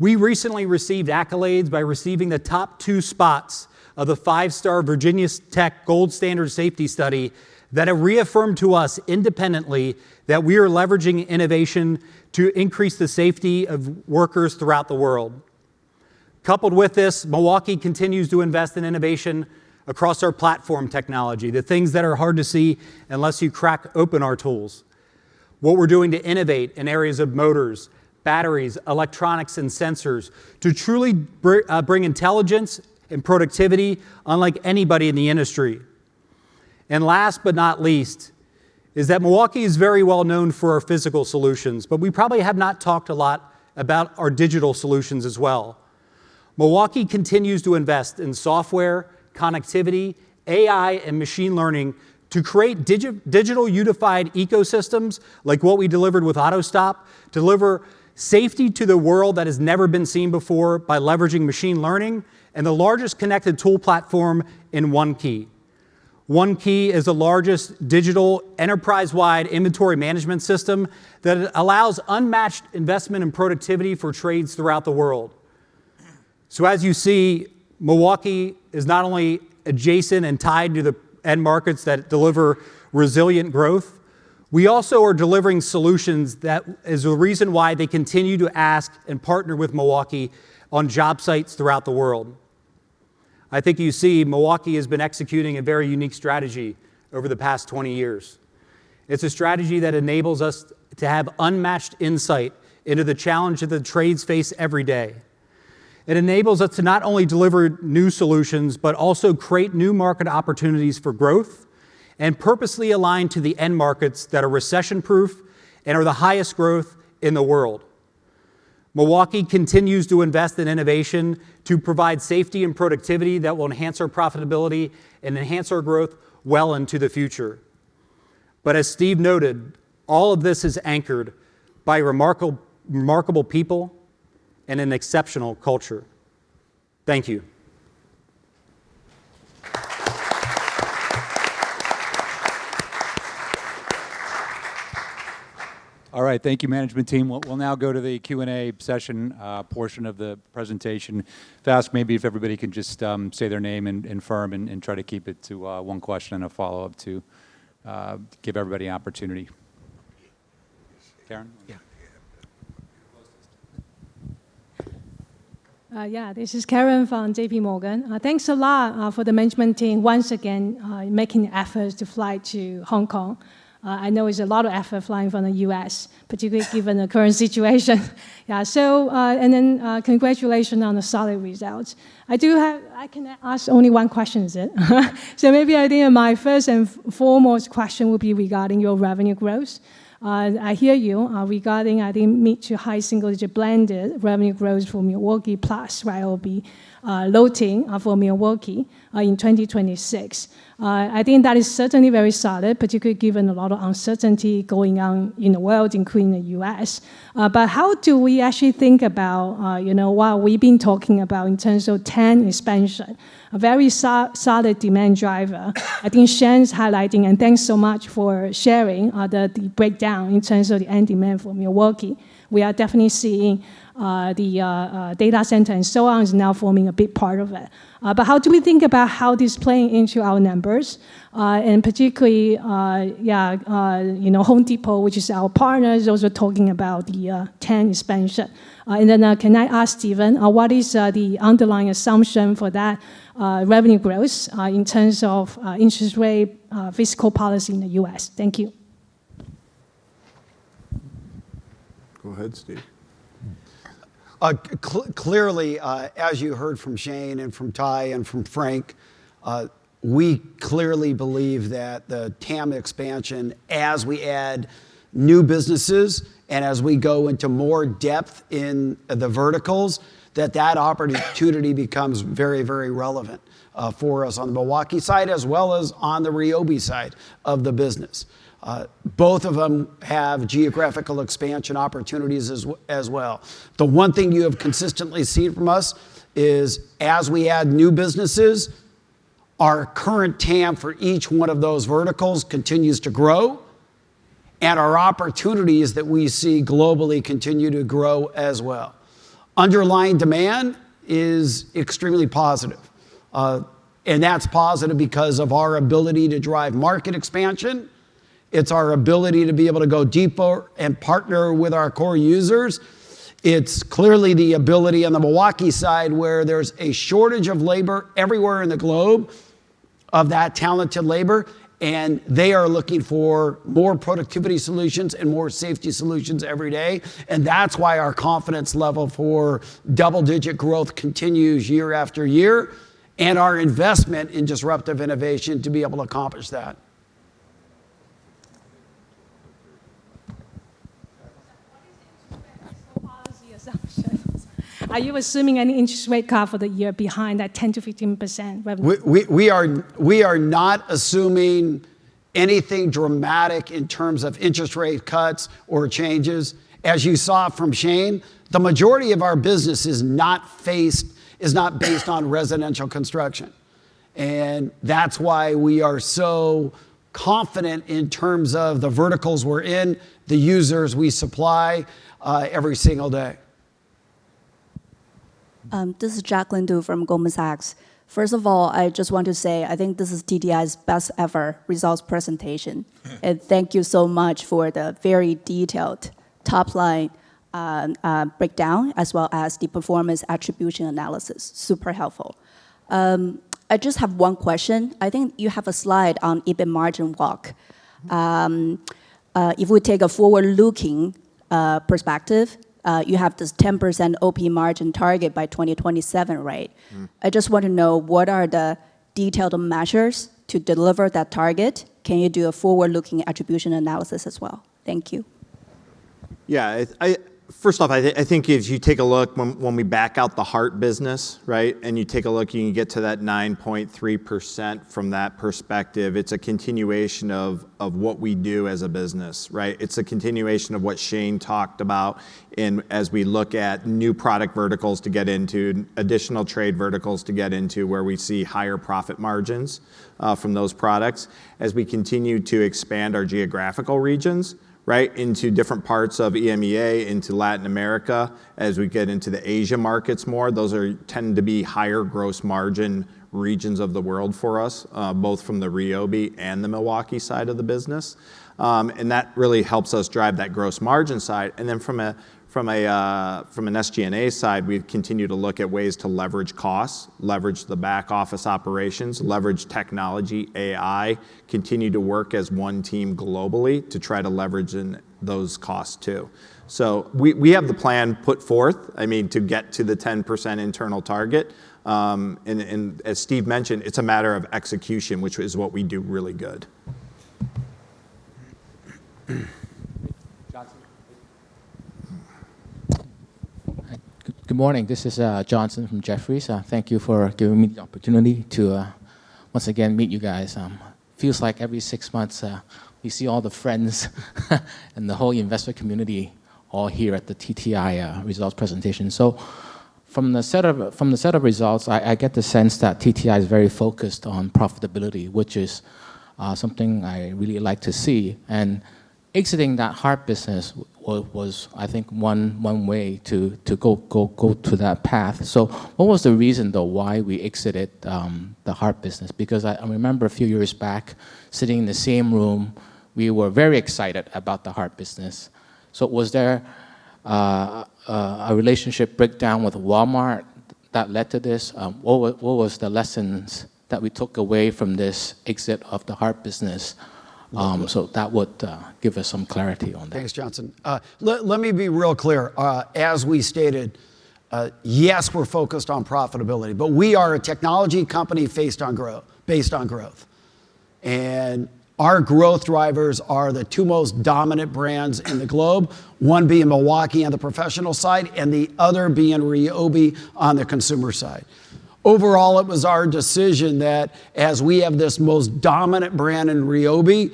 We recently received accolades by receiving the top two spots of the 5-star Virginia Tech Gold Standard Safety study that have reaffirmed to us independently that we are leveraging innovation to increase the safety of workers throughout the world. Coupled with this, Milwaukee continues to invest in innovation across our platform technology, the things that are hard to see unless you crack open our tools. What we're doing to innovate in areas of motors, batteries, electronics, and sensors to truly bring intelligence and productivity unlike anybody in the industry. Last but not least is that Milwaukee is very well known for our physical solutions, but we probably have not talked a lot about our digital solutions as well. Milwaukee continues to invest in software, connectivity, AI, and machine learning to create digital unified ecosystems like what we delivered with AUTOSTOP, deliver safety to the world that has never been seen before by leveraging machine learning and the largest connected tool platform in ONE-KEY. ONE-KEY is the largest digital enterprise-wide inventory management system that allows unmatched investment and productivity for trades throughout the world. As you see, Milwaukee is not only adjacent and tied to the end markets that deliver resilient growth, we also are delivering solutions that is the reason why they continue to ask and partner with Milwaukee on job sites throughout the world. I think you see Milwaukee has been executing a very unique strategy over the past 20 years. It's a strategy that enables us to have unmatched insight into the challenge that the trades face every day. It enables us to not only deliver new solutions, but also create new market opportunities for growth and purposely align to the end markets that are recession-proof and are the highest growth in the world. Milwaukee continues to invest in innovation to provide safety and productivity that will enhance our profitability and enhance our growth well into the future. As Steve noted, all of this is anchored by remarkable people and an exceptional culture. Thank you. All right. Thank you, management team. We'll now go to the Q&A session portion of the presentation. If I ask maybe if everybody can just say their name and firm and try to keep it to one question and a follow-up to give everybody an opportunity. Karen? Yeah. Yeah, this is Karen from JPMorgan. Thanks a lot for the management team once again making the efforts to fly to Hong Kong. I know it's a lot of effort flying from the U.S. particularly given the current situation. Congratulations on the solid results. I can ask only one question, is it? I think my first and foremost question would be regarding your revenue growth. I hear you regarding, I think, mid- to high-single digit blended revenue growth for Milwaukee + Ryobi loading for Milwaukee in 2026. I think that is certainly very solid, particularly given a lot of uncertainty going on in the world, including the U.S. How do we actually think about, you know, while we've been talking about in terms of TAM expansion, a very solid demand driver, I think Shane's highlighting, and thanks so much for sharing, the breakdown in terms of the end demand for Milwaukee. We are definitely seeing, the, data center and so on is now forming a big part of it. How do we think about how this playing into our numbers? Particularly, yeah, you know, Home Depot, which is our partner, is also talking about the, TAM expansion. Then, can I ask Steven, what is, the underlying assumption for that, revenue growth, in terms of, interest rate, fiscal policy in the U.S.? Thank you. Go ahead, Steve. Clearly, as you heard from Shane and from Ty and from Frank, we clearly believe that the TAM expansion as we add new businesses and as we go into more depth in the verticals, that that opportunity becomes very, very relevant for us on the Milwaukee side as well as on the Ryobi side of the business. Both of them have geographical expansion opportunities as well. The one thing you have consistently seen from us is as we add new businesses, our current TAM for each one of those verticals continues to grow, and our opportunities that we see globally continue to grow as well. Underlying demand is extremely positive. That's positive because of our ability to drive market expansion. It's our ability to be able to go deeper and partner with our core users. It's clearly the ability on the Milwaukee side where there's a shortage of labor everywhere in the globe. Of that talented labor, they are looking for more productivity solutions and more safety solutions every day. That's why our confidence level for double-digit growth continues year after year, and our investment in disruptive innovation to be able to accomplish that. What is the interest rate risk and policy assumptions? Are you assuming any interest rate cut for the year behind that 10%-15% revenue? We are not assuming anything dramatic in terms of interest rate cuts or changes. As you saw from Shane, the majority of our business is not based on residential construction. That's why we are so confident in terms of the verticals we're in, the users we supply, every single day. This is Jacqueline Du from Goldman Sachs. First of all, I just want to say I think this is TTI's best ever results presentation. Thank you so much for the very detailed top-line breakdown as well as the performance attribution analysis. Super helpful. I just have one question. I think you have a slide on EBIT margin walk. If we take a forward-looking perspective, you have this 10% OP margin target by 2027, right? I just want to know what are the detailed measures to deliver that target. Can you do a forward-looking attribution analysis as well? Thank you. Yeah. First off, I think if you take a look when we back out the HART business, right? You take a look and you get to that 9.3% from that perspective, it's a continuation of what we do as a business, right? It's a continuation of what Shane talked about in as we look at new product verticals to get into, additional trade verticals to get into where we see higher profit margins from those products, as we continue to expand our geographical regions, right? Into different parts of EMEA, into Latin America. As we get into the Asia markets more, those tend to be higher gross margin regions of the world for us, both from the Ryobi and the Milwaukee side of the business. That really helps us drive that gross margin side. From an SG&A side, we continue to look at ways to leverage costs, leverage the back office operations, leverage technology, AI, continue to work as one team globally to try to leverage in those costs too. We have the plan put forth, I mean, to get to the 10% internal target. And as Steve mentioned, it's a matter of execution, which is what we do really good. Johnson. Good morning. This is Johnson from Jefferies. Thank you for giving me the opportunity to once again meet you guys. Feels like every six months, we see all the friends and the whole investment community all here at the TTI results presentation. From the set of results, I get the sense that TTI is very focused on profitability, which is something I really like to see. Exiting that HART business was, I think, one way to go to that path. What was the reason, though, why we exited the HART business? Because I remember a few years back sitting in the same room, we were very excited about the HART business. Was there a relationship breakdown with Walmart that led to this? What were, what was the lessons that we took away from this exit of the HART business? That would give us some clarity on that. Thanks, Johnson. let me be real clear. As we stated, yes, we're focused on profitability, but we are a technology company based on growth. Our growth drivers are the two most dominant brands in the globe, one being Milwaukee on the professional side and the other being Ryobi on the consumer side. Overall, it was our decision that as we have this most dominant brand in Ryobi,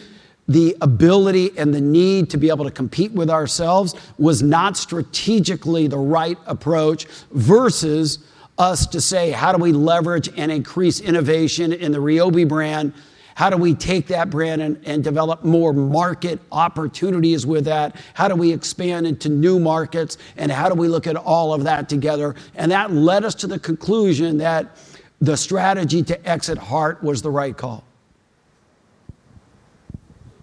the ability and the need to be able to compete with ourselves was not strategically the right approach versus us to say, "How do we leverage and increase innovation in the Ryobi brand? How do we take that brand and develop more market opportunities with that? How do we expand into new markets, and how do we look at all of that together? That led us to the conclusion that the strategy to exit HART was the right call.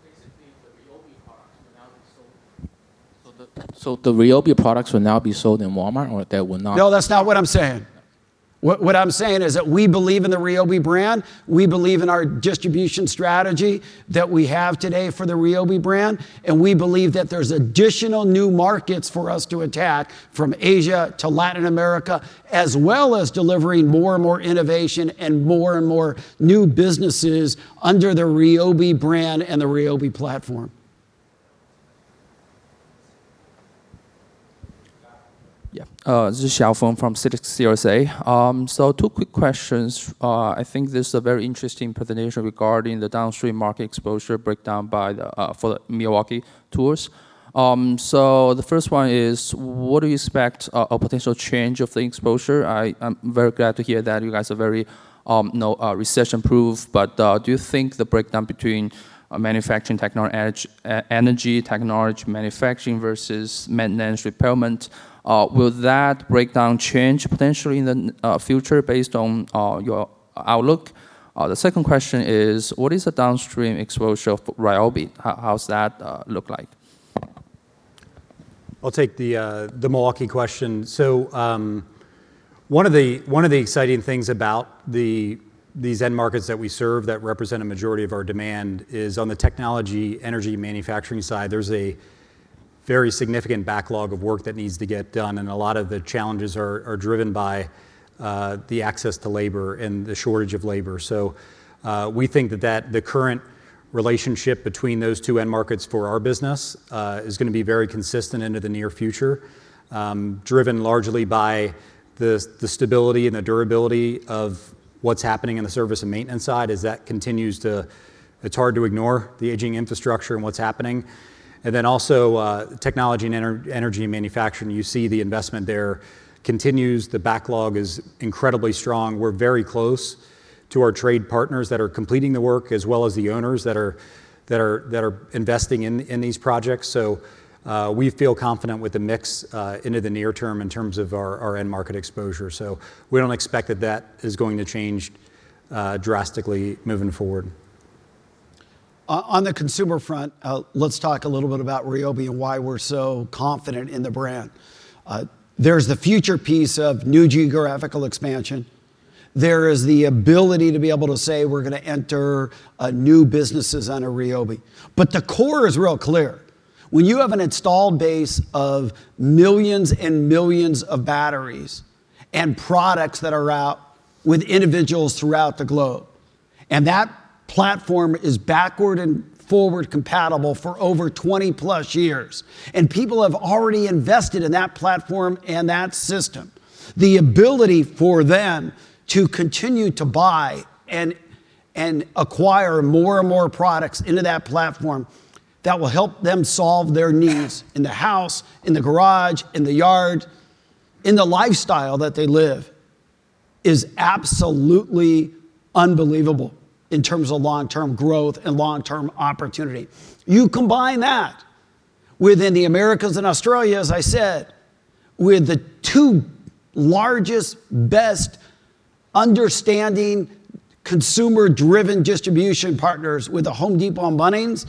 Basically the Ryobi products will now be sold in Walmart or they will not? No, that's not what I'm saying. What I'm saying is that we believe in the Ryobi brand, we believe in our distribution strategy that we have today for the Ryobi brand, and we believe that there's additional new markets for us to attack from Asia to Latin America, as well as delivering more and more innovation and more and more new businesses under the Ryobi brand and the Ryobi platform. Yeah. This is Xiao Feng from CITIC CLSA. Two quick questions. I think this is a very interesting presentation regarding the downstream market exposure breakdown by the for the Milwaukee tools. The first one is, what do you expect a potential change of the exposure? I am very glad to hear that you guys are very, you know, recession-proof. Do you think the breakdown between manufacturing technology, energy technology manufacturing versus maintenance repairment, will that breakdown change potentially in the future based on your outlook? The second question is, what is the downstream exposure of Ryobi? How's that look like? I'll take the Milwaukee question. One of the exciting things about these end markets that we serve that represent a majority of our demand is on the technology, energy, manufacturing side, there's a very significant backlog of work that needs to get done, and a lot of the challenges are driven by the access to labor and the shortage of labor. We think that the current relationship between those two end markets for our business is gonna be very consistent into the near future, driven largely by the stability and the durability of what's happening in the service and maintenance side as that continues to. It's hard to ignore the aging infrastructure and what's happening. Also, technology and energy and manufacturing, you see the investment there continues. The backlog is incredibly strong. We're very close to our trade partners that are completing the work, as well as the owners that are investing in these projects. We feel confident with the mix into the near term in terms of our end market exposure. We don't expect that that is going to change drastically moving forward. On the consumer front, let's talk a little bit about Ryobi and why we're so confident in the brand. There's the future piece of new geographical expansion. There is the ability to be able to say we're gonna enter new businesses under Ryobi. The core is real clear. When you have an installed base of millions and millions of batteries and products that are out with individuals throughout the globe, and that platform is backward and forward compatible for over 20+ years, and people have already invested in that platform and that system, the ability for them to continue to buy and acquire more and more products into that platform that will help them solve their needs in the house, in the garage, in the yard, in the lifestyle that they live, is absolutely unbelievable in terms of long-term growth and long-term opportunity. You combine that within the Americas and Australia, as I said, with the two largest, best understanding consumer-driven distribution partners with Home Depot and Bunnings,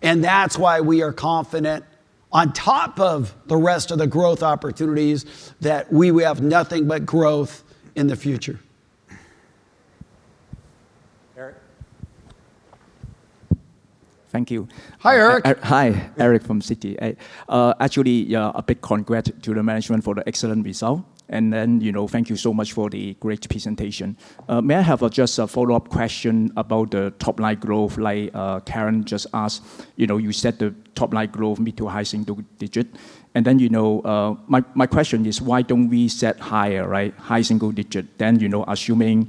and that's why we are confident on top of the rest of the growth opportunities that we will have nothing but growth in the future. Eric? Thank you. Hi, Eric. Hi. Eric from Citi. actually, yeah, a big congrat to the management for the excellent result. You know, thank you so much for the great presentation. May I have a just a follow-up question about the top-line growth, like, Karen just asked? You know, you said the top-line growth mid- to high-single digit. You know, my question is, why don't we set higher, right? High-single digit, then, you know, assuming,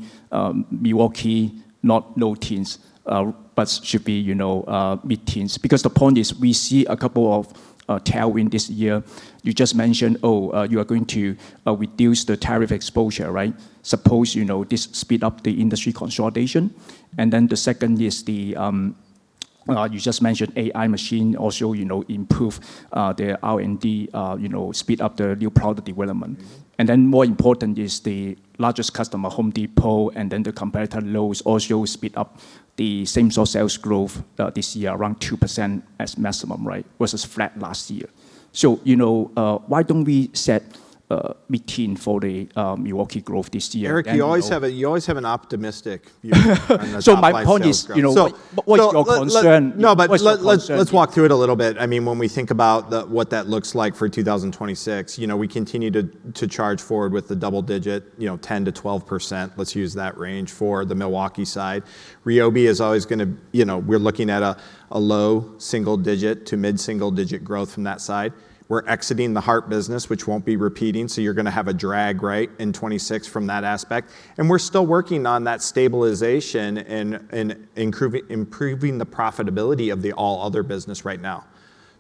Milwaukee not low teens, but should be, you know, mid-teens. The point is, we see a couple of tailwind this year. You just mentioned, oh, you are going to reduce the tariff exposure, right? Suppose, you know, this speed up the industry consolidation. The second is the, you just mentioned AI machine also, you know, improve the R&D, you know, speed up the new product development. More important is the largest customer, Home Depot, and then the competitor Lowe's also speed up the same store sales growth, this year around 2% as maximum, right? Versus flat last year. You know, why don't we set mid-teens for the Milwaukee growth this year? Eric, you always have an optimistic view, on the top-line sales growth. My point is, you know. So- What's your concern? No, let's. What's your concern here? Let's walk through it a little bit. I mean, when we think about the, what that looks like for 2026, you know, we continue to charge forward with the double digit, you know, 10%-12%. Let's use that range for the Milwaukee side. Ryobi is always gonna, you know, we're looking at a low-single digit to mid-single digit growth from that side. We're exiting the HART business, which won't be repeating, so you're gonna have a drag, right, in 2026 from that aspect, and we're still working on that stabilization and improving the profitability of the all other business right now.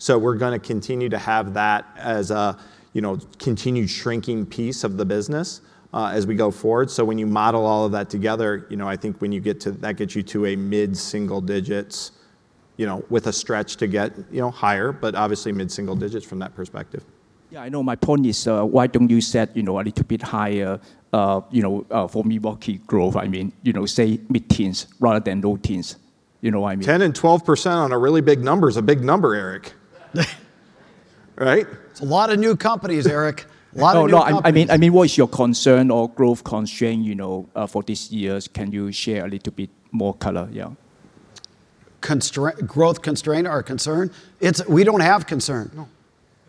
We're gonna continue to have that as a, you know, continued shrinking piece of the business as we go forward. When you model all of that together, you know, I think when that gets you to a mid-single digits, you know, with a stretch to get, you know, higher, but obviously mid-single digits from that perspective. Yeah, I know. My point is, why don't you set, you know, a little bit higher, you know, for Milwaukee growth? I mean, you know, say mid-teens rather than low teens. You know what I mean? 10% and 12% on a really big number is a big number, Eric. Right? It's a lot of new companies, Eric. Lot of new companies. No, I mean, what is your concern or growth constraint, you know, for this years? Can you share a little bit more color? Yeah. Growth constraint or concern? It's we don't have concern. No.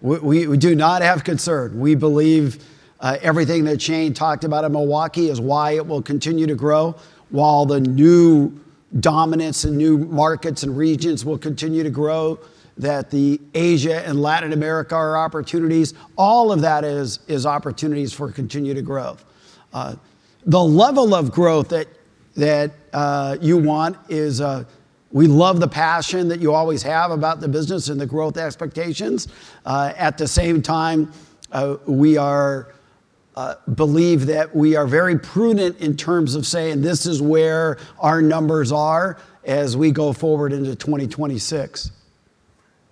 We do not have concern. We believe everything that Shane talked about at Milwaukee is why it will continue to grow. While the new dominance in new markets and regions will continue to grow, that the Asia and Latin America are opportunities, all of that is opportunities for continue to grow. The level of growth that you want is. We love the passion that you always have about the business and the growth expectations. At the same time, we believe that we are very prudent in terms of saying this is where our numbers are as we go forward into 2026.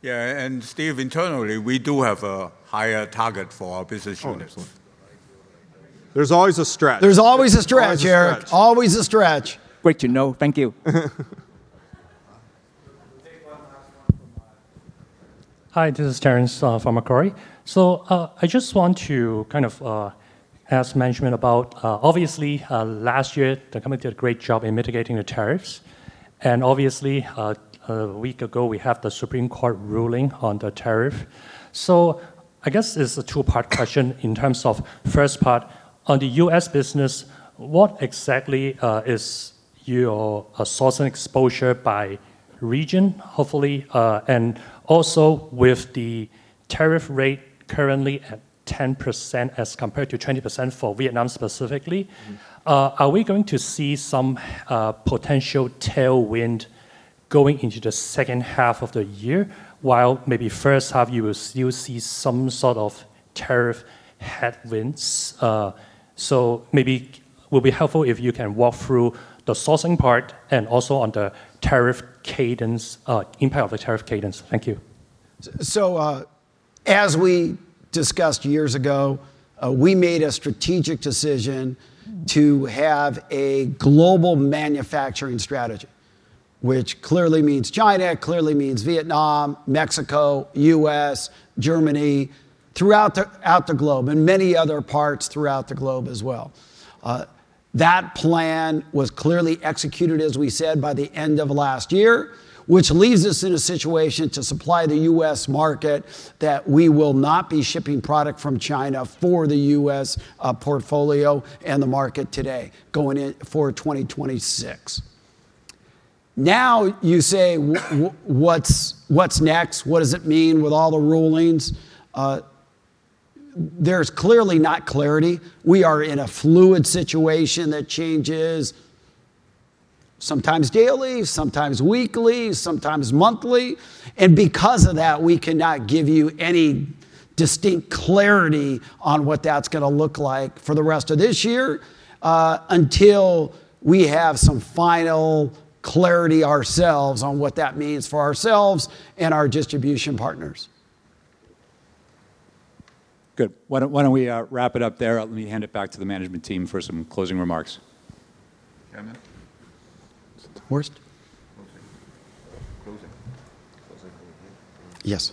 Yeah, Steve, internally, we do have a higher target for our business units. There's always a stretch. There's always a stretch, Eric. Always a stretch. Great to know. Thank you. We'll take one last one from Terence. Hi, this is Terence Cheng from Macquarie. I just want to kind of ask management about, obviously, last year the company did a great job in mitigating the tariffs, and obviously, a week ago we have the Supreme Court ruling on the tariff. I guess it's a two-part question in terms of first part, on the U.S. business, what exactly is your sourcing exposure by region, hopefully. And also with the tariff rate currently at 10% as compared to 20% for Vietnam specifically. Are we going to see some potential tailwind going into the second half of the year, while maybe first half you will still see some sort of tariff headwinds? Maybe will be helpful if you can walk through the sourcing part and also on the tariff cadence, impact of the tariff cadence? Thank you. As we discussed years ago, we made a strategic decision to have a global manufacturing strategy, which clearly means China, it clearly means Vietnam, Mexico, U.S., Germany, throughout the, out the globe, and many other parts throughout the globe as well. That plan was clearly executed, as we said, by the end of last year, which leaves us in a situation to supply the U.S. market that we will not be shipping product from China for the U.S. portfolio and the market today going in for 2026. You say what's next? What does it mean with all the rulings? There's clearly not clarity. We are in a fluid situation that changes sometimes daily, sometimes weekly, sometimes monthly. And because of that, we cannot give you any distinct clarity on what that's gonna look like for the rest of this year, until we have some final clarity ourselves on what that means for ourselves and our distribution partners. Good. Why don't we wrap it up there? Let me hand it back to the management team for some closing remarks. Kenneth? Is it Horst? Closing. Closing. Closing remarks. Yes.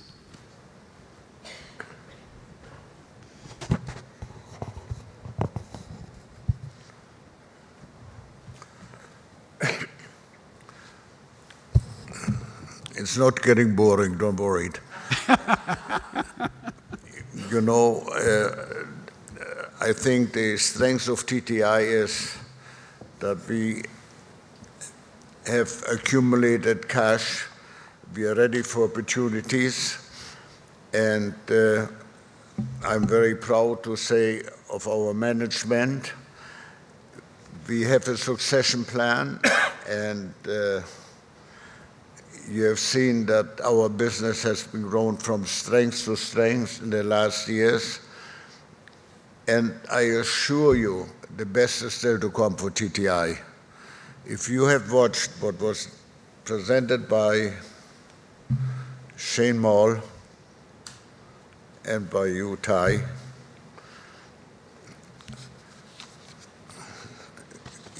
It's not getting boring. Don't worry. You know, I think the strength of TTI is that we have accumulated cash. We are ready for opportunities, and I'm very proud to say of our management. We have a succession plan. You have seen that our business has been growing from strength to strength in the last years, and I assure you the best is still to come for TTI. If you have watched what was presented by Shane Moll and by you, Ty,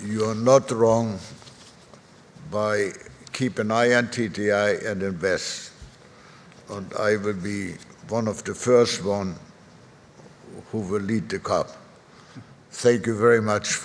you are not wrong by keep an eye on TTI and invest, and I will be one of the first one who will lead the cup. Thank you very much.